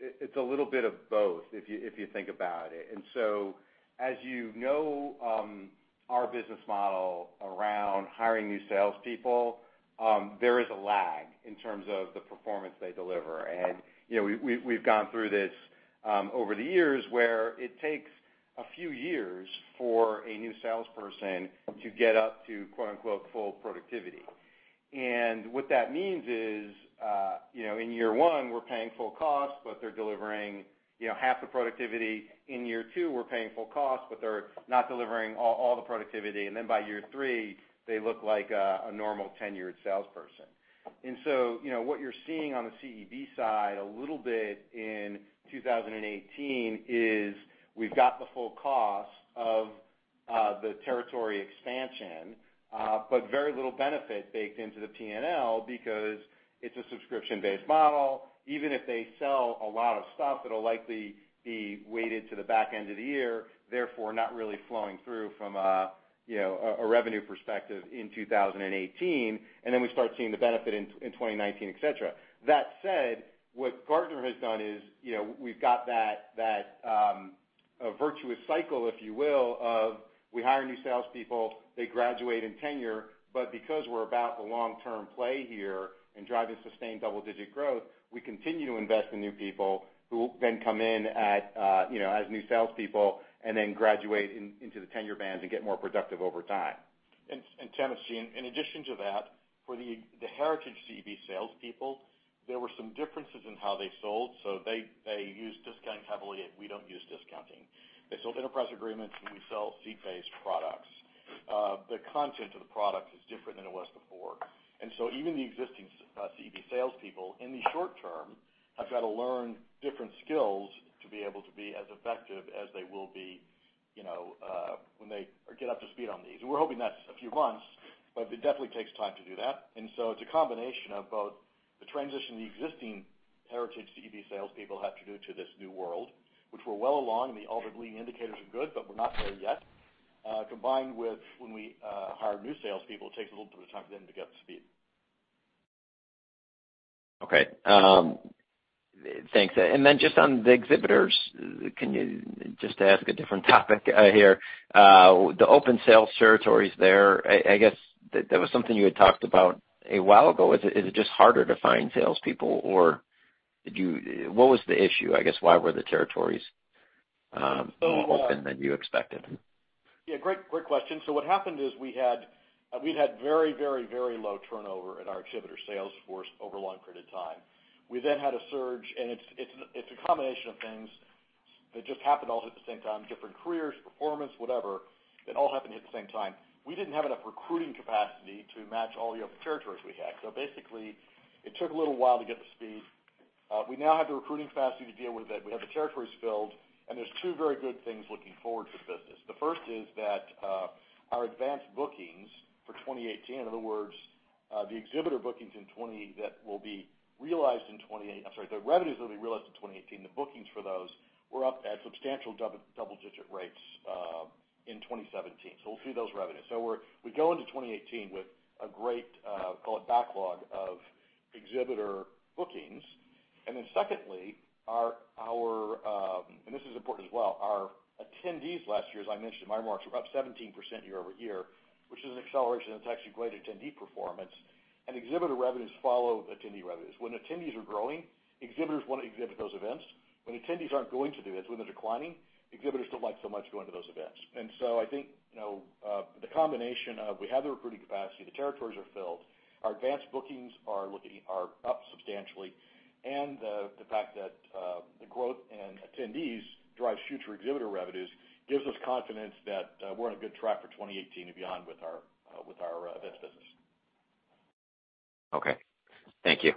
it's a little bit of both if you think about it. As you know, our business model around hiring new salespeople, there is a lag in terms of the performance they deliver. You know, we've gone through this over the years, where it takes a few years for a new salesperson to get up to "full productivity". What that means is, you know, in year one, we're paying full cost, but they're delivering, you know, half the productivity. In year two, we're paying full cost, but they're not delivering all the productivity. By year three, they look like a normal tenured salesperson. You know, what you're seeing on the CEB side a little bit in 2018 is we've got the full cost of the territory expansion, but very little benefit baked into the P&L because it's a subscription-based model. Even if they sell a lot of stuff, it'll likely be weighted to the back end of the year, therefore not really flowing through from a, you know, a revenue perspective in 2018, and then we start seeing the benefit in 2019, et cetera. That said, what Gartner has done is, you know, we've got that, a virtuous cycle, if you will, of we hire new salespeople, they graduate and tenure. Because we're about the long-term play here and driving sustained double-digit growth, we continue to invest in new people who then come in at, you know, as new salespeople and then graduate into the tenure bands and get more productive over time. Tim, it's Gene. In addition to that, for the Heritage CEB salespeople, there were some differences in how they sold, they used discounting heavily. We don't use discounting. They sold enterprise agreements, we sell seat-based products. The content of the product is different than it was before. Even the existing CEB salespeople in the short term have got to learn different skills to be able to be as effective as they will be, you know, when they get up to speed on these. We're hoping that's a few months, it definitely takes time to do that. It's a combination of both the transition the existing Heritage CEB salespeople have to do to this new world, which we're well along, all the leading indicators are good, we're not there yet. Combined with when we hire new salespeople, it takes a little bit of time for them to get up to speed. Okay. Thanks. Then just on the exhibitors, can you just ask a different topic here? The open sales territories there, I guess that was something you had talked about a while ago. Is it just harder to find salespeople, or What was the issue? I guess, why were the territories more open than you expected? Yeah, great question. What happened is we'd had very low turnover at our exhibitor sales force over a long period of time. We then had a surge, it's a combination of things that just happened all at the same time, different careers, performance, whatever, that all happened to hit the same time. We didn't have enough recruiting capacity to match all the open territories we had. Basically, it took a little while to get to speed. We now have the recruiting capacity to deal with it. We have the territories filled, there's two very good things looking forward for the business. The first is that our advanced bookings for 2018, in other words, the revenues that'll be realized in 2018, the bookings for those were up at substantial double-digit rates in 2017. We'll see those revenues. We go into 2018 with a great, call it backlog of exhibitor bookings. Secondly, our, and this is important as well, our attendees last year, as I mentioned in my remarks, were up 17% year-over-year, which is an acceleration that's actually great attendee performance. Exhibitor revenues follow attendee revenues. When attendees are growing, exhibitors wanna exhibit those events. When attendees aren't going to the events, when they're declining, exhibitors don't like so much going to those events. I think, you know, the combination of we have the recruiting capacity, the territories are filled, our advanced bookings are up substantially, and the fact that, the growth in attendees drives future exhibitor revenues gives us confidence that, we're on a good track for 2018 and beyond with our, with our, events business. Okay. Thank you.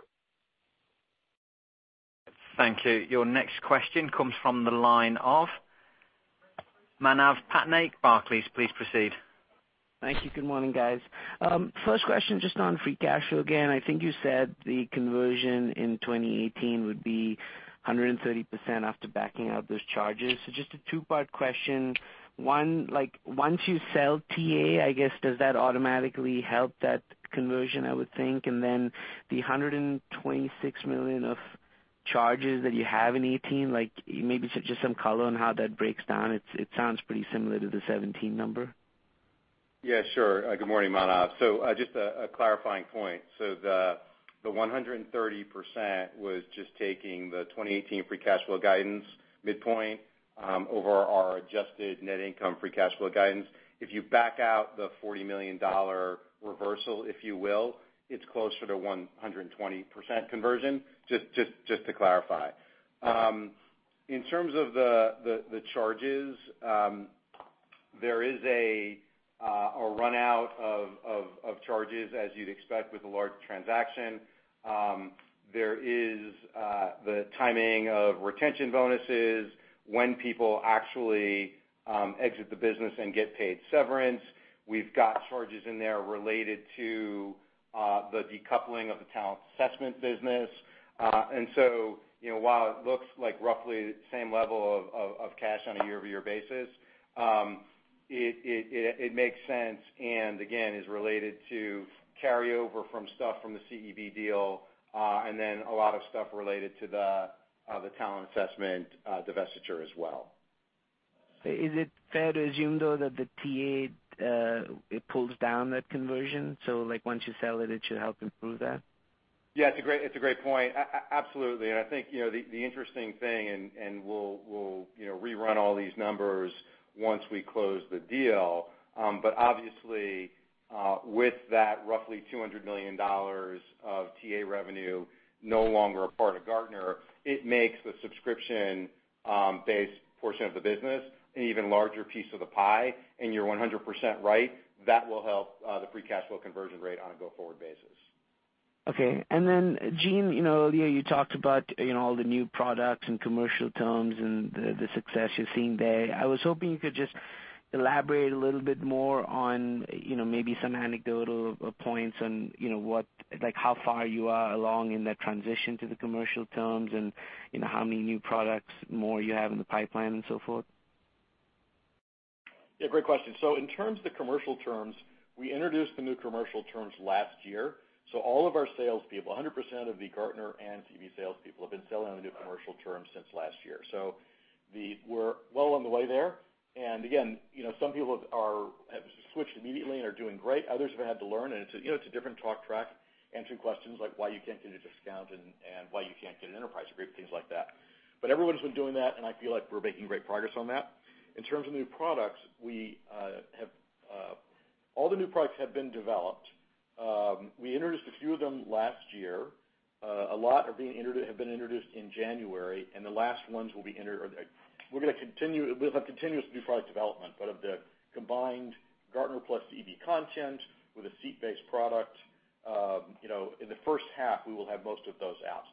Thank you. Your next question comes from the line of Manav Patnaik, Barclays. Please proceed. Thank you. Good morning, guys. First question, just on free cash flow again. I think you said the conversion in 2018 would be 130% after backing out those charges. Just a two-part question. One, like, once you sell TA, I guess, does that automatically help that conversion, I would think? The $126 million of charges that you have in 2018, like, maybe just some color on how that breaks down. It sounds pretty similar to the 2017 number. Yeah, sure. Good morning, Manav. Just a clarifying point. The 130% was just taking the 2018 free cash flow guidance midpoint over our adjusted net income free cash flow guidance. If you back out the $40 million reversal, if you will, it's closer to 120% conversion, just to clarify. In terms of the charges, there is a run out of charges as you'd expect with a large transaction. There is the timing of retention bonuses when people actually exit the business and get paid severance. We've got charges in there related to the decoupling of the talent assessment business. You know, while it looks like roughly the same level of cash on a year-over-year basis, it makes sense, and again, is related to carryover from stuff from the CEB deal, and then a lot of stuff related to the talent assessment divestiture as well. Is it fair to assume, though, that the TA, it pulls down that conversion? Like once you sell it should help improve that? Yeah, it's a great point. Absolutely. I think, you know, the interesting thing, and we'll, you know, rerun all these numbers once we close the deal, but obviously, with that roughly $200 million of TA revenue no longer a part of Gartner, it makes the subscription base portion of the business an even larger piece of the pie, and you're 100% right, that will help the free cash flow conversion rate on a go-forward basis. Okay. Gene, you know, earlier you talked about, you know, all the new products and commercial terms and the success you're seeing there. I was hoping you could just elaborate a little bit more on, you know, maybe some anecdotal points on, you know, like how far you are along in that transition to the commercial terms and, you know, how many new products more you have in the pipeline and so forth? Yeah, great question. In terms of the commercial terms, we introduced the new commercial terms last year. All of our sales people, 100% of the Gartner and CEB salespeople, have been selling on the new commercial terms since last year. We're well on the way there. Again, you know, some people have switched immediately and are doing great. Others have had to learn, and it's a, you know, it's a different talk track, answering questions like why you can't get a discount and why you can't get an enterprise agreement, things like that. Everyone's been doing that, and I feel like we're making great progress on that. In terms of new products, we have all the new products have been developed. We introduced a few of them last year. A lot are being introduced in January, and the last ones will be We'll have continuous new product development, but of the combined Gartner plus CEB content with a seat-based product, you know, in the first half, we will have most of those out.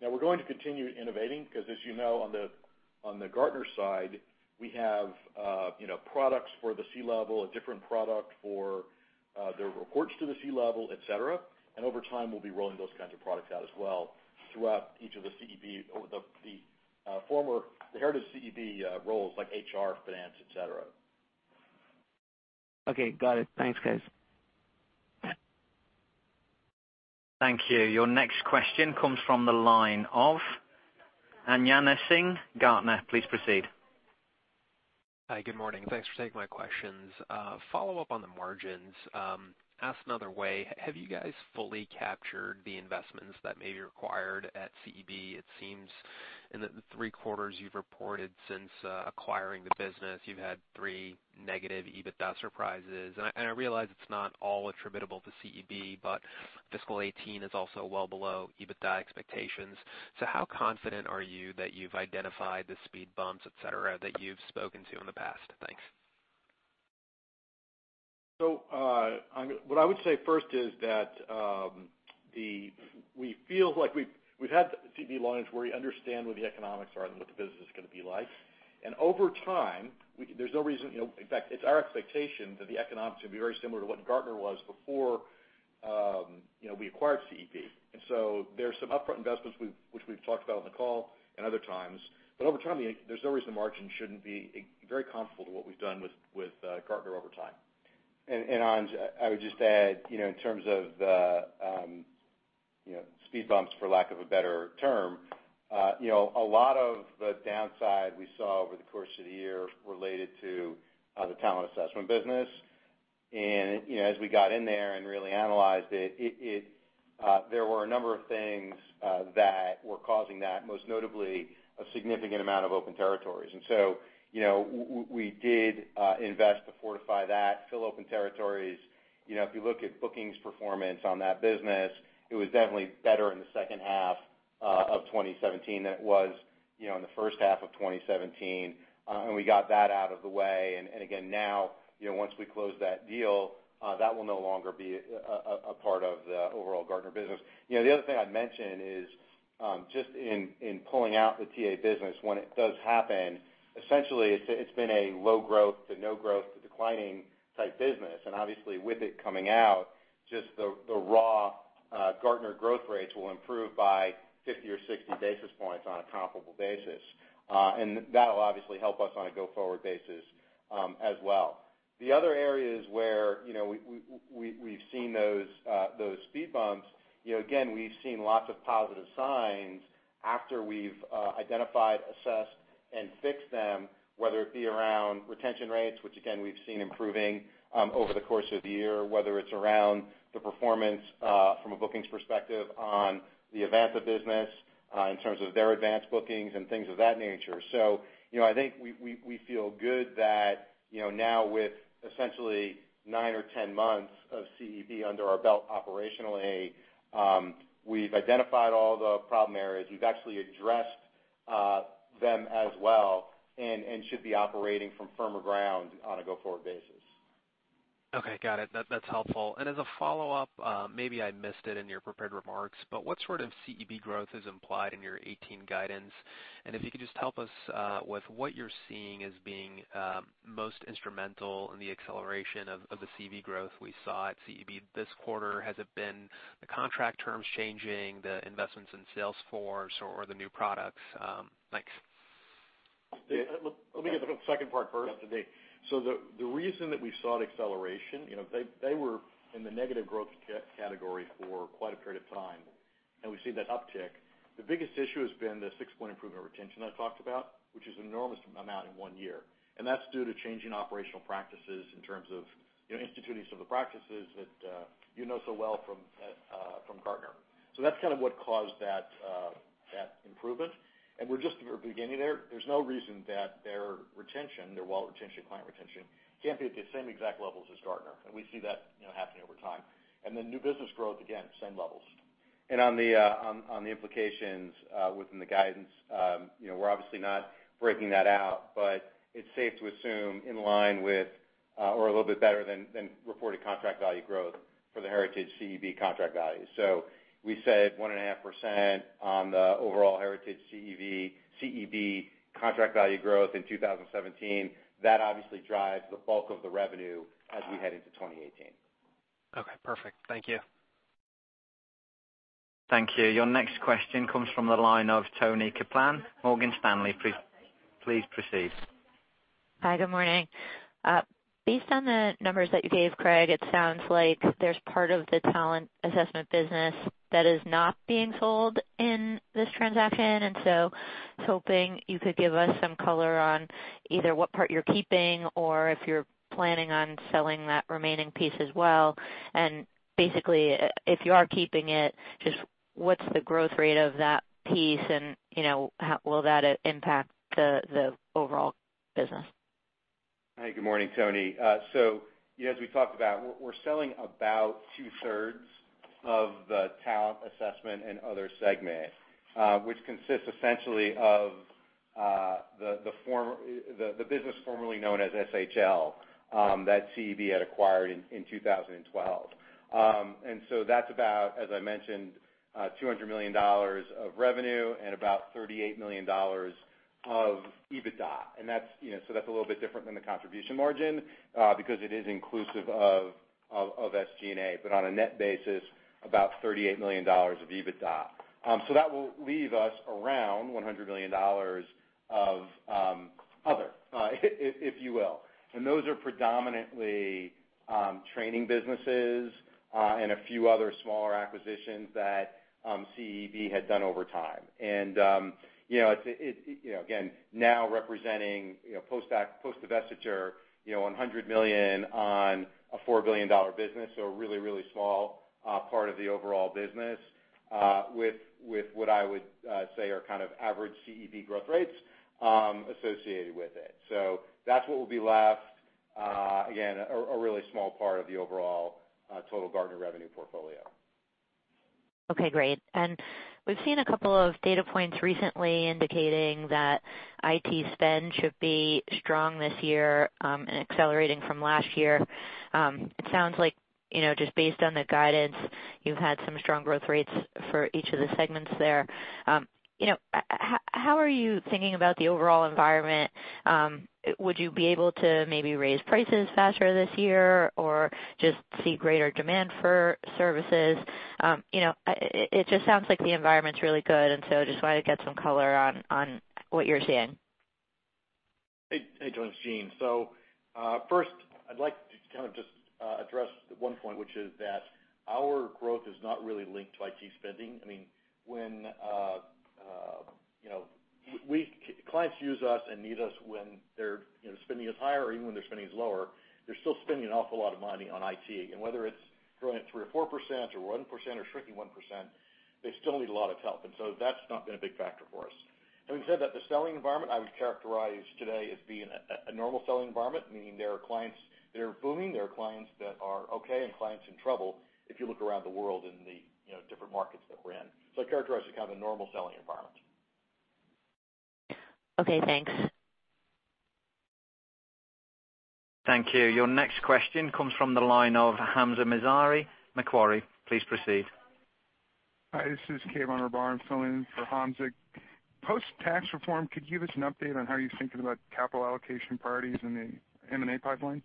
Now we're going to continue innovating 'cause as you know, on the, on the Gartner side, we have, you know, products for the C-level, a different product for their reports to the C-level, et cetera. Over time, we'll be rolling those kinds of products out as well throughout each of the CEB or the former, the Heritage CEB roles like HR, finance, et cetera. Okay. Got it. Thanks, guys. Thank you. Your next question comes from the line of [Anjana Singh, Gartner. Please proceed. Hi, good morning. Thanks for taking my questions. Follow up on the margins. Asked another way, have you guys fully captured the investments that may be required at CEB? It seems in the three quarters you've reported since acquiring the business, you've had three negative EBITDA surprises. I realize it's not all attributable to CEB, but FY 2018 is also well below EBITDA expectations. How confident are you that you've identified the speed bumps, et cetera, that you've spoken to in the past? Thanks. An, what I would say first is that the we feel like we've had CEB long enough where we understand what the economics are and what the business is gonna be like. Over time, we there's no reason, you know, in fact, it's our expectation that the economics will be very similar to what Gartner was before, you know, we acquired CEB. There's some upfront investments we've, which we've talked about on the call and other times. Over time, the there's no reason the margin shouldn't be very comfortable to what we've done with Gartner over time. Anj, I would just add, you know, in terms of the, you know, speed bumps, for lack of a better term, you know, a lot of the downside we saw over the course of the year related to the talent assessment business. You know, as we got in there and really analyzed it, there were a number of things that were causing that, most notably a significant amount of open territories. You know, we did invest to fortify that, fill open territories. You know, if you look at bookings performance on that business, it was definitely better in the second half of 2017 than it was, you know, in the first half of 2017. We got that out of the way. Again, now, you know, once we close that deal, that will no longer be a part of the overall Gartner business. You know, the other thing I'd mention is, just in pulling out the TA business when it does happen, essentially it's been a low growth to no growth to declining type business. Obviously with it coming out, just the raw Gartner growth rates will improve by 50 or 60 basis points on a comparable basis. That'll obviously help us on a go-forward basis as well. The other areas where, you know, we, we've seen those speed bumps, you know, again, we've seen lots of positive signs after we've identified, assessed, and fixed them, whether it be around retention rates, which again, we've seen improving over the course of the year, whether it's around the performance from a bookings perspective on the Evanta business, in terms of their advanced bookings and things of that nature. You know, I think we, we feel good that, you know, now with essentially nine or 10 months of CEB under our belt operationally, we've identified all the problem areas. We've actually addressed them as well and should be operating from firmer ground on a go-forward basis. Okay. Got it. That, that's helpful. As a follow-up, maybe I missed it in your prepared remarks, but what sort of CEB growth is implied in your 2018 guidance? If you could just help us with what you're seeing as being most instrumental in the acceleration of the CEB growth we saw at CEB this quarter. Has it been the contract terms changing, the investments in sales force or the new products? Thanks. Let me get the second part first. [inaudible] The reason that we saw an acceleration, you know, they were in the negative growth category for quite a period of time, and we've seen that uptick. The biggest issue has been the 6-point improvement retention I talked about, which is an enormous amount in one year. That's due to changing operational practices in terms of, you know, instituting some of the practices that, you know so well from Gartner. That's kind of what caused that improvement. We're just at the beginning there. There's no reason that their retention, their wallet retention, client retention, can't be at the same exact levels as Gartner. We see that, you know, happening over time. New business growth, again, same levels. On the implications within the guidance, you know, we're obviously not breaking that out, but it's safe to assume in line with or a little bit better than reported contract value growth for the Heritage CEB contract value. We said 1.5% on the overall Heritage CEB contract value growth in 2017. That obviously drives the bulk of the revenue as we head into 2018. Okay. Perfect. Thank you. Thank you. Your next question comes from the line of Toni Kaplan, Morgan Stanley. Please proceed. Hi, good morning. Based on the numbers that you gave, Craig, it sounds like there's part of the talent assessment business that is not being sold in this transaction. I was hoping you could give us some color on either what part you're keeping or if you're planning on selling that remaining piece as well. Basically, if you are keeping it, just what's the growth rate of that piece? You know, how will that impact the overall business? Hi, good morning, Toni. As we talked about, we're selling about two-thirds of the talent assessment and other segment, which consists essentially of the business formerly known as SHL that CEB had acquired in 2012. That's about, as I mentioned, $200 million of revenue and about $38 million of EBITDA. That's, you know, that's a little bit different than the contribution margin because it is inclusive of SG&A, but on a net basis, about $38 million of EBITDA. That will leave us around $100 million of other, if you will. Those are predominantly training businesses and a few other smaller acquisitions that CEB had done over time. You know, it's, you know, again, now representing, you know, post-divestiture, you know, $100 million on a $4 billion business, a really, really small part of the overall business, with what I would say are kind of average CEB growth rates associated with it. That's what will be left, again, a really small part of the overall total Gartner revenue portfolio. Okay, great. We've seen a couple of data points recently indicating that IT spend should be strong this year, and accelerating from last year. It sounds like, you know, just based on the guidance, you've had some strong growth rates for each of the segments there. You know, how are you thinking about the overall environment? Would you be able to maybe raise prices faster this year or just see greater demand for services? You know, it just sounds like the environment's really good, just wanted to get some color on what you're seeing. Hey, Toni, it's Gene. First, I'd like to kind of just address one point, which is that our growth is not really linked to IT spending. I mean, when, you know, clients use us and need us when their, you know, spending is higher or even when their spending is lower. They're still spending an awful lot of money on IT. Whether it's growing at 3% or 4% or 1% or shrinking 1%, they still need a lot of help. That's not been a big factor for us. Having said that, the selling environment I would characterize today as being a normal selling environment, meaning there are clients that are booming, there are clients that are okay, and clients in trouble if you look around the world in the, you know, different markets that we're in. I'd characterize it kind of a normal selling environment. Okay, thanks. Thank you. Your next question comes from the line of Hamzah Mazari, Macquarie. Please proceed. Hi, this is Kayvon Rahbar. I'm filling in for Hamzah. Post-tax reform, could you give us an update on how you're thinking about capital allocation priorities in the M&A pipeline?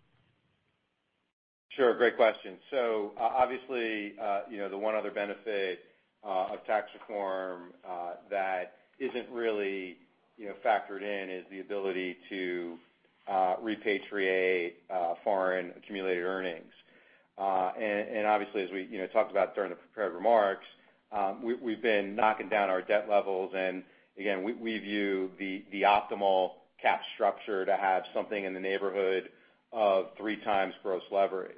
Sure. Great question. Obviously, you know, the one other benefit of tax reform that isn't really, you know, factored in is the ability to repatriate foreign accumulated earnings. Obviously, as we, you know, talked about during the prepared remarks, we've been knocking down our debt levels. Again, we view the optimal cap structure to have something in the neighborhood of 3x gross leverage.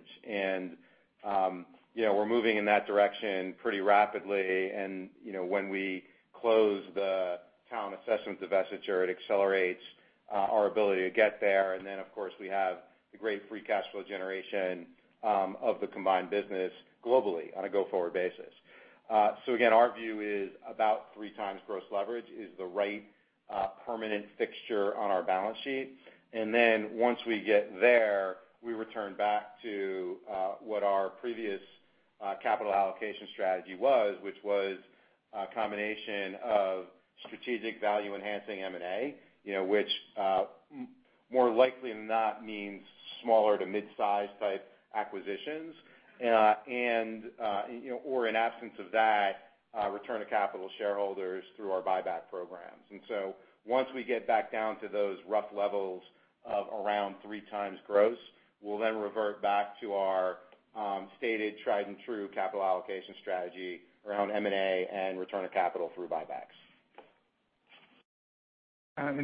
You know, we're moving in that direction pretty rapidly and, you know, when we close the talent assessments divestiture, it accelerates our ability to get there. Then, of course, we have the great free cash flow generation of the combined business globally on a go-forward basis. Again, our view is about 3x gross leverage is the right permanent fixture on our balance sheet. Once we get there, we return back to what our previous capital allocation strategy was, which was a combination of strategic value-enhancing M&A, you know, which more likely than not means smaller to mid-size type acquisitions. You know, or in absence of that, return of capital shareholders through our buyback programs. Once we get back down to those rough levels of around 3x gross, we'll then revert back to our stated tried and true capital allocation strategy around M&A and return of capital through buybacks.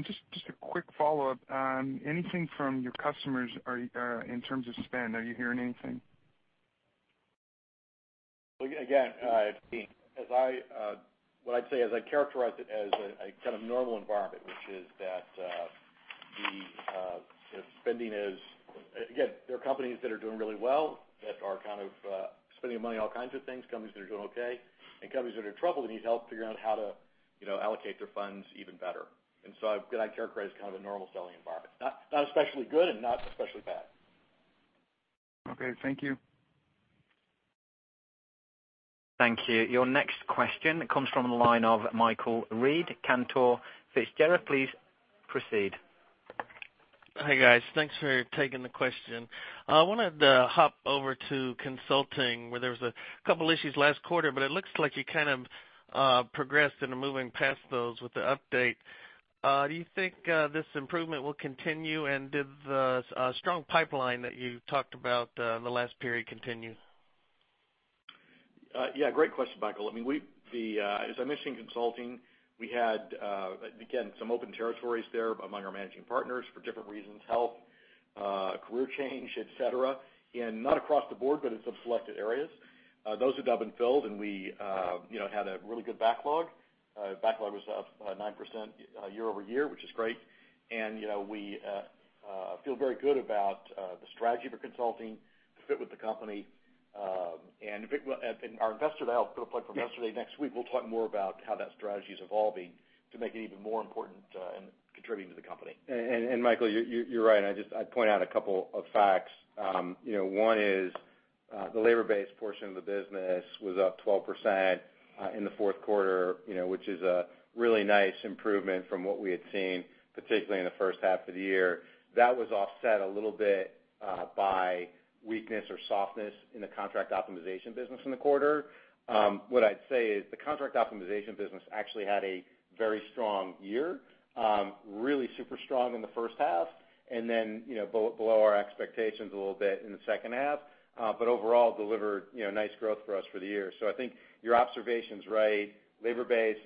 Just a quick follow-up. Anything from your customers, in terms of spend, are you hearing anything? Well, again, what I'd say, as I characterize it, as a kind of normal environment, which is that, the, you know, spending is. Again, there are companies that are doing really well, that are kind of spending money on all kinds of things, companies that are doing okay, and companies that are in trouble and need help figuring out how to, you know, allocate their funds even better. I characterize kind of a normal selling environment. Not especially good and not especially bad. Okay. Thank you. Thank you. Your next question comes from the line of Michael Reid, Cantor Fitzgerald. Please proceed. Hi, guys. Thanks for taking the question. I wanted to hop over to consulting, where there was a couple issues last quarter, but it looks like you kind of progressed into moving past those with the update. Do you think this improvement will continue? Did the strong pipeline that you talked about in the last period continue? Yeah, great question, Michael. I mean, as I mentioned in consulting, we had again some open territories there among our managing partners for different reasons, health, career change, et cetera. Not across the board, but in some selected areas. Those have been filled and we, you know, had a really good backlog. Backlog was up 9% year-over-year, which is great. You know, we feel very good about the strategy for consulting to fit with the company. Our Investor Day, I'll put a plug for Investor Day next week, we'll talk more about how that strategy is evolving to make it even more important and contributing to the company. Michael, you're right. I'd point out a couple of facts. You know, one is, the labor-based portion of the business was up 12% in the fourth quarter, you know, which is a really nice improvement from what we had seen, particularly in the first half of the year. That was offset a little bit by weakness or softness in the contract optimization business in the quarter. What I'd say is the contract optimization business actually had a very strong year, really super strong in the first half, and then, you know, below our expectations a little bit in the second half, but overall delivered, you know, nice growth for us for the year. I think your observation's right. Labor-based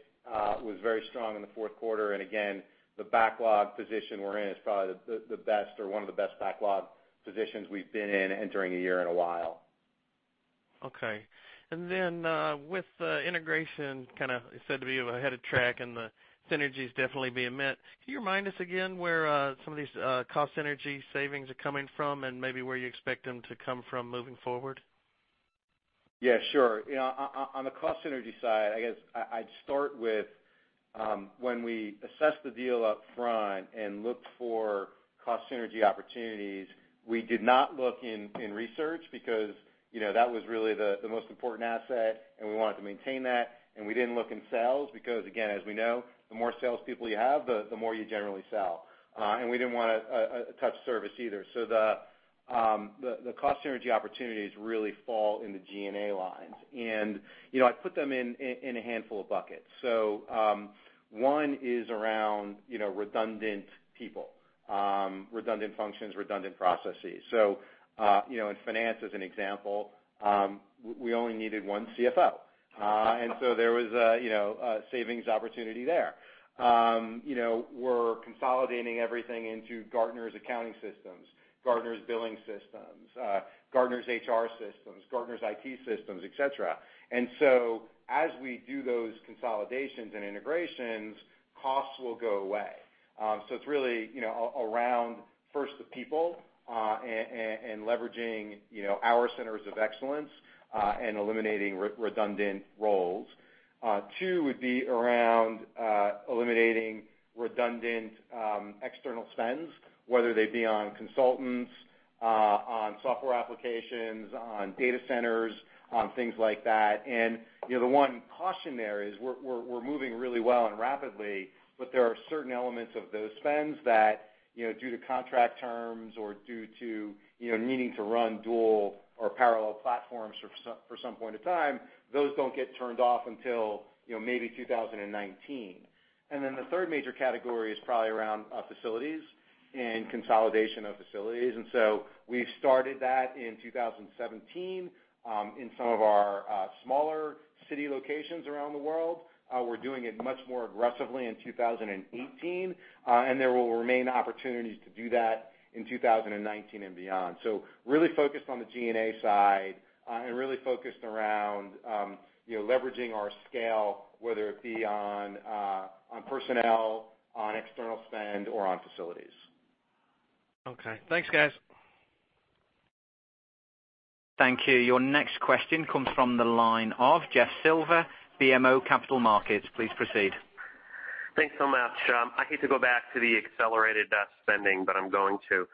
was very strong in the fourth quarter. Again, the backlog position we're in is probably the best or one of the best backlog positions we've been in entering a year in a while. Okay. Then, with the integration kinda said to be ahead of track and the synergies definitely being met, can you remind us again where some of these cost synergy savings are coming from and maybe where you expect them to come from moving forward? Yeah, sure. You know, on the cost synergy side, I guess I'd start with when we assessed the deal up front and looked for cost synergy opportunities, we did not look in research because, you know, that was really the most important asset, and we wanted to maintain that. We didn't look in sales because, again, as we know, the more salespeople you have, the more you generally sell. We didn't wanna touch service either. The cost synergy opportunities really fall in the G&A lines. You know, I put them in a handful of buckets. One is around, you know, redundant people, redundant functions, redundant processes. You know, in finance as an example, we only needed one CFO. There was, you know, a savings opportunity there. You know, we're consolidating everything into Gartner's accounting systems, Gartner's billing systems, Gartner's HR systems, Gartner's IT systems, et cetera. As we do those consolidations and integrations, costs will go away. It's really, you know, around, first, the people, and leveraging, you know, our centers of excellence, and eliminating redundant roles. Two would be around eliminating redundant external spends, whether they be on consultants, on software applications, on data centers, on things like that. You know, the one caution there is we're moving really well and rapidly, but there are certain elements of those spends that, you know, due to contract terms or due to, you know, needing to run dual or parallel platforms for some point of time, those don't get turned off until, you know, maybe 2019. The third major category is probably around facilities. In consolidation of facilities. We've started that in 2017, in some of our smaller city locations around the world. We're doing it much more aggressively in 2018, and there will remain opportunities to do that in 2019 and beyond. Really focused on the G&A side, and really focused around, you know, leveraging our scale, whether it be on personnel, on external spend, or on facilities. Okay. Thanks, guys. Thank you. Your next question comes from the line of Jeff Silber, BMO Capital Markets. Please proceed. Thanks so much. I hate to go back to the accelerated spending, but I'm going to.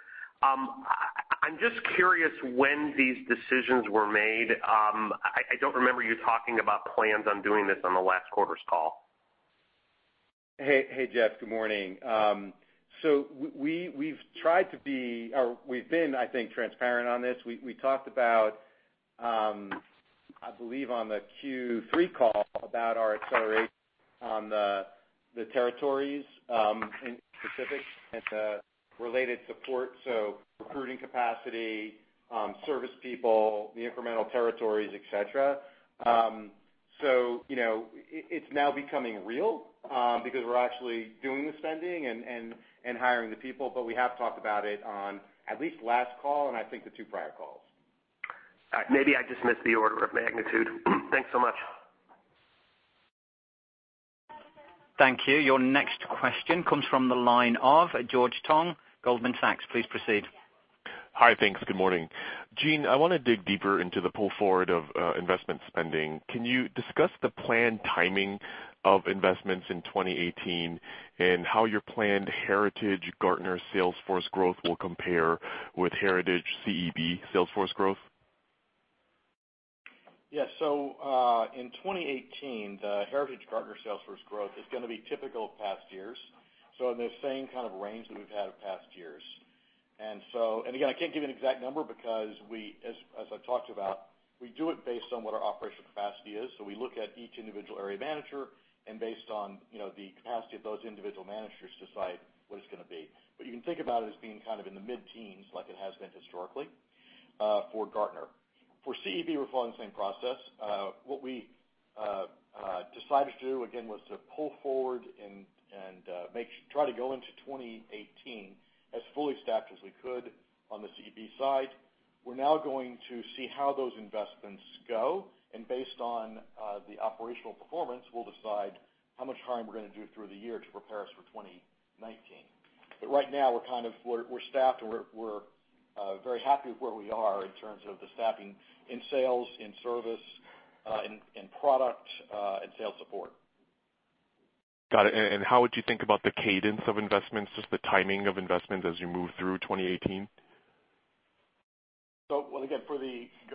I'm just curious when these decisions were made. I don't remember you talking about plans on doing this on the last quarter's call. Hey, hey, Jeff. Good morning. We've tried to be or we've been, I think, transparent on this. We talked about, I believe on the Q3 call about our acceleration on the territories, in specific and the related support, so recruiting capacity, service people, the incremental territories, et cetera. You know, it's now becoming real, because we're actually doing the spending and hiring the people, we have talked about it on at least last call and I think the two prior calls. All right. Maybe I just missed the order of magnitude. Thanks so much. Thank you. Your next question comes from the line of George Tong, Goldman Sachs. Please proceed. Hi. Thanks. Good morning. Gene, I wanna dig deeper into the pull forward of investment spending. Can you discuss the planned timing of investments in 2018, and how your planned Heritage Gartner sales force growth will compare with Heritage CEB sales force growth? In 2018, the Heritage Gartner sales force growth is gonna be typical of past years, so in the same kind of range that we've had of past years. Again, I can't give you an exact number because we as I've talked about, we do it based on what our operational capacity is. We look at each individual area manager, and based on, you know, the capacity of those individual managers, decide what it's gonna be. You can think about it as being kind of in the mid-teens like it has been historically for Gartner. For CEB, we're following the same process. What we decided to do again was to pull forward and try to go into 2018 as fully staffed as we could on the CEB side. We're now going to see how those investments go. Based on the operational performance, we'll decide how much hiring we're going to do through the year to prepare us for 2019. Right now we're staffed and we're very happy with where we are in terms of the staffing in sales, in service, in product, and sales support. Got it. How would you think about the cadence of investments, just the timing of investments as you move through 2018? Well, again,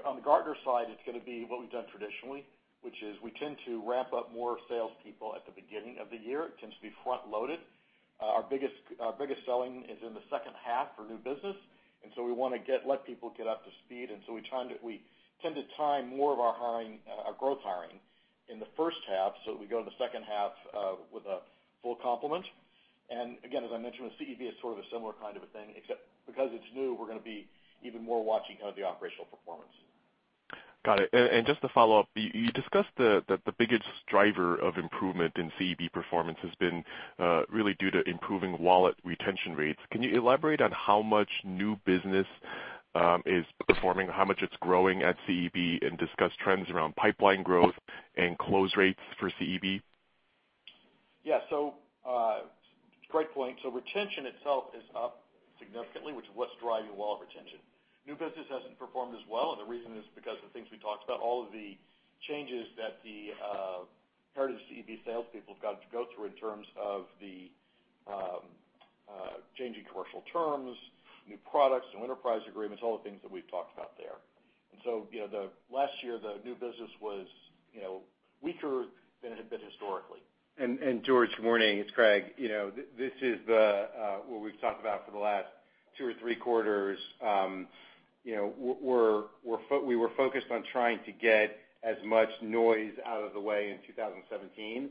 on the Gartner side, it's gonna be what we've done traditionally, which is we tend to ramp up more salespeople at the beginning of the year. It tends to be front loaded. Our biggest selling is in the second half for new business, and so we let people get up to speed. We tend to time more of our hiring, our growth hiring in the first half, so that we go in the second half with a full complement. Again, as I mentioned with CEB, it's sort of a similar kind of a thing, except because it's new, we're gonna be even more watching kind of the operational performance. Got it. Just to follow up, you discussed the biggest driver of improvement in CEB performance has been really due to improving wallet retention rates. Can you elaborate on how much new business is performing, how much it's growing at CEB, and discuss trends around pipeline growth and close rates for CEB? Yeah. Great point. Retention itself is up significantly, which is what's driving wallet retention. New business hasn't performed as well, and the reason is because the things we talked about, all of the changes that the Heritage CEB salespeople have got to go through in terms of the changing commercial terms, new products, new enterprise agreements, all the things that we've talked about there. You know, the last year, the new business was, you know, weaker than it had been historically. George, good morning. It's Craig. You know, this is the what we've talked about for the last two or three quarters. You know, we were focused on trying to get as much noise out of the way in 2017.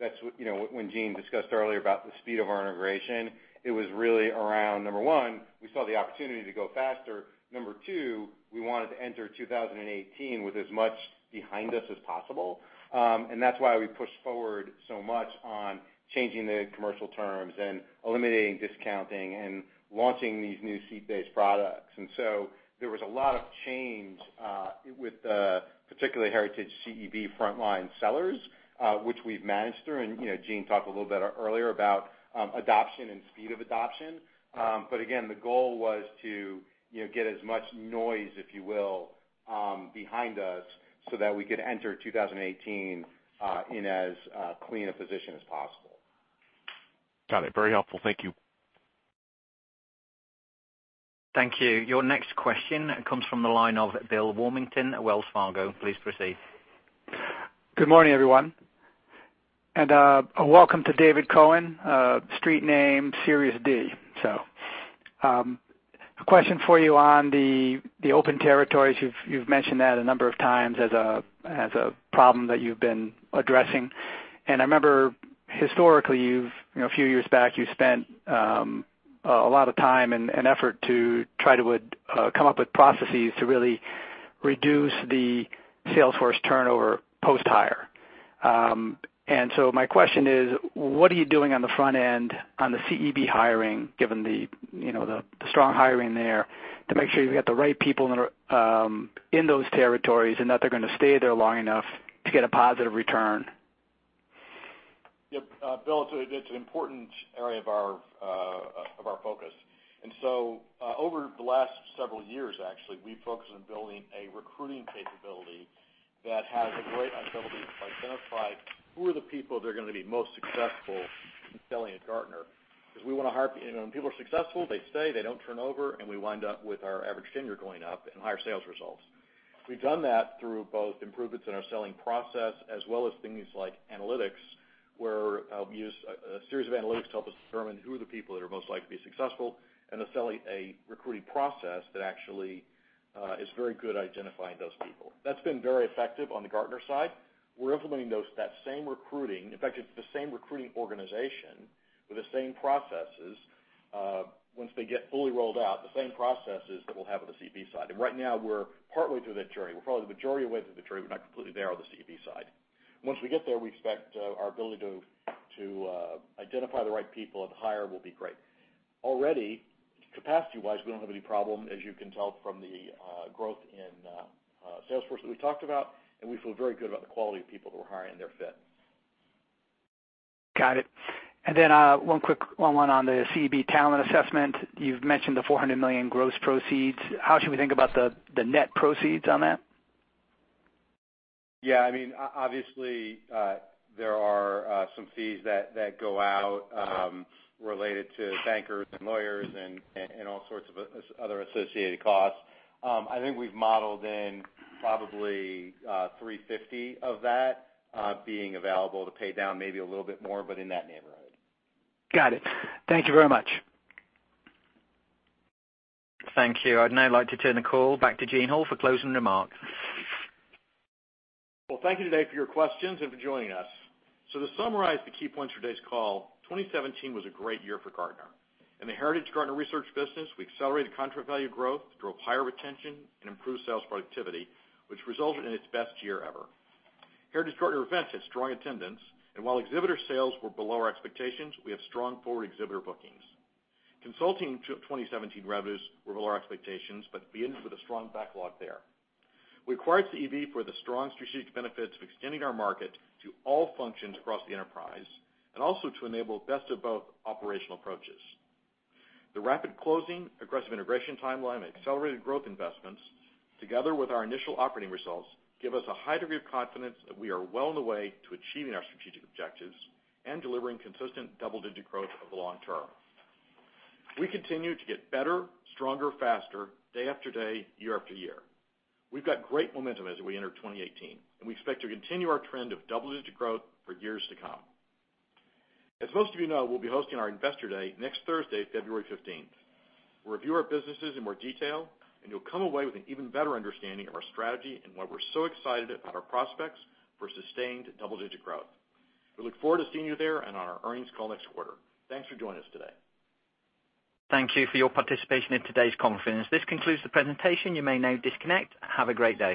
That's what, you know, when Gene discussed earlier about the speed of our integration, it was really around, number one, we saw the opportunity to go faster. Number two, we wanted to enter 2018 with as much behind us as possible. That's why we pushed forward so much on changing the commercial terms and eliminating discounting and launching these new seat-based products. There was a lot of change with particularly Heritage CEB frontline sellers, which we've managed through. You know, Gene talked a little bit earlier about adoption and speed of adoption. Again, the goal was to, you know, get as much noise, if you will, behind us so that we could enter 2018 in as clean a position as possible. Got it. Very helpful. Thank you. Thank you. Your next question comes from the line of Bill Warmington at Wells Fargo. Please proceed. Good morning, everyone. Welcome to David Cohen, street name Serious D. A question for you on the open territories. You've mentioned that a number of times as a problem that you've been addressing. I remember historically, you know, a few years back, you spent a lot of time and effort to try to come up with processes to really reduce the sales force turnover post-hire. My question is, what are you doing on the front end on the CEB hiring, given, you know, the strong hiring there to make sure you've got the right people that are in those territories and that they're gonna stay there long enough to get a positive return? Bill, it's an important area of our focus. Over the last several years, actually, we've focused on building a recruiting capability that has a great ability to identify who are the people that are gonna be most successful in selling at Gartner. We wanna, you know, when people are successful, they stay, they don't turn over, and we wind up with our average tenure going up and higher sales results. We've done that through both improvements in our selling process, as well as things like analytics, where we use a series of analytics to help us determine who are the people that are most likely to be successful, and a recruiting process that actually is very good at identifying those people. That's been very effective on the Gartner side. We're implementing those, that same recruiting, in fact it's the same recruiting organization with the same processes, once they get fully rolled out, the same processes that we'll have on the CEB side. Right now we're partly through that journey. We're probably the majority of the way through the journey, we're not completely there on the CEB side. Once we get there, we expect our ability to identify the right people and hire will be great. Already, capacity-wise, we don't have any problem, as you can tell from the growth in sales force that we've talked about, and we feel very good about the quality of people who we're hiring, they're a fit. Got it. One quick, one more on the CEB Talent Assessment. You've mentioned the $400 million gross proceeds. How should we think about the net proceeds on that? Yeah, I mean, obviously, there are some fees that go out related to bankers and lawyers and all sorts of associated costs. I think we've modeled in probably $350 million of that being available to pay down maybe a little bit more, but in that neighborhood. Got it. Thank you very much. Thank you. I'd now like to turn the call back to Gene Hall for closing remarks. Well, thank you today for your questions and for joining us. To summarize the key points for today's call, 2017 was a great year for Gartner. In the Heritage Gartner research business, we accelerated contract value growth, drove higher retention, and improved sales productivity, which resulted in its best year ever. Heritage Gartner Events had strong attendance, and while exhibitor sales were below our expectations, we have strong forward exhibitor bookings. Consulting 2017 revenues were below our expectations, but we ended with a strong backlog there. We acquired CEB for the strong strategic benefits of extending our market to all functions across the enterprise, and also to enable best of both operational approaches. The rapid closing, aggressive integration timeline, and accelerated growth investments, together with our initial operating results, give us a high degree of confidence that we are well on the way to achieving our strategic objectives and delivering consistent double-digit growth over the long term. We continue to get better, stronger, faster, day after day, year after year. We've got great momentum as we enter 2018, and we expect to continue our trend of double-digit growth for years to come. As most of you know, we'll be hosting our Investor Day next Thursday, February 15th. We'll review our businesses in more detail, and you'll come away with an even better understanding of our strategy and why we're so excited about our prospects for sustained double-digit growth. We look forward to seeing you there and on our earnings call next quarter. Thanks for joining us today. Thank you for your participation in today's conference. This concludes the presentation. You may now disconnect. Have a great day.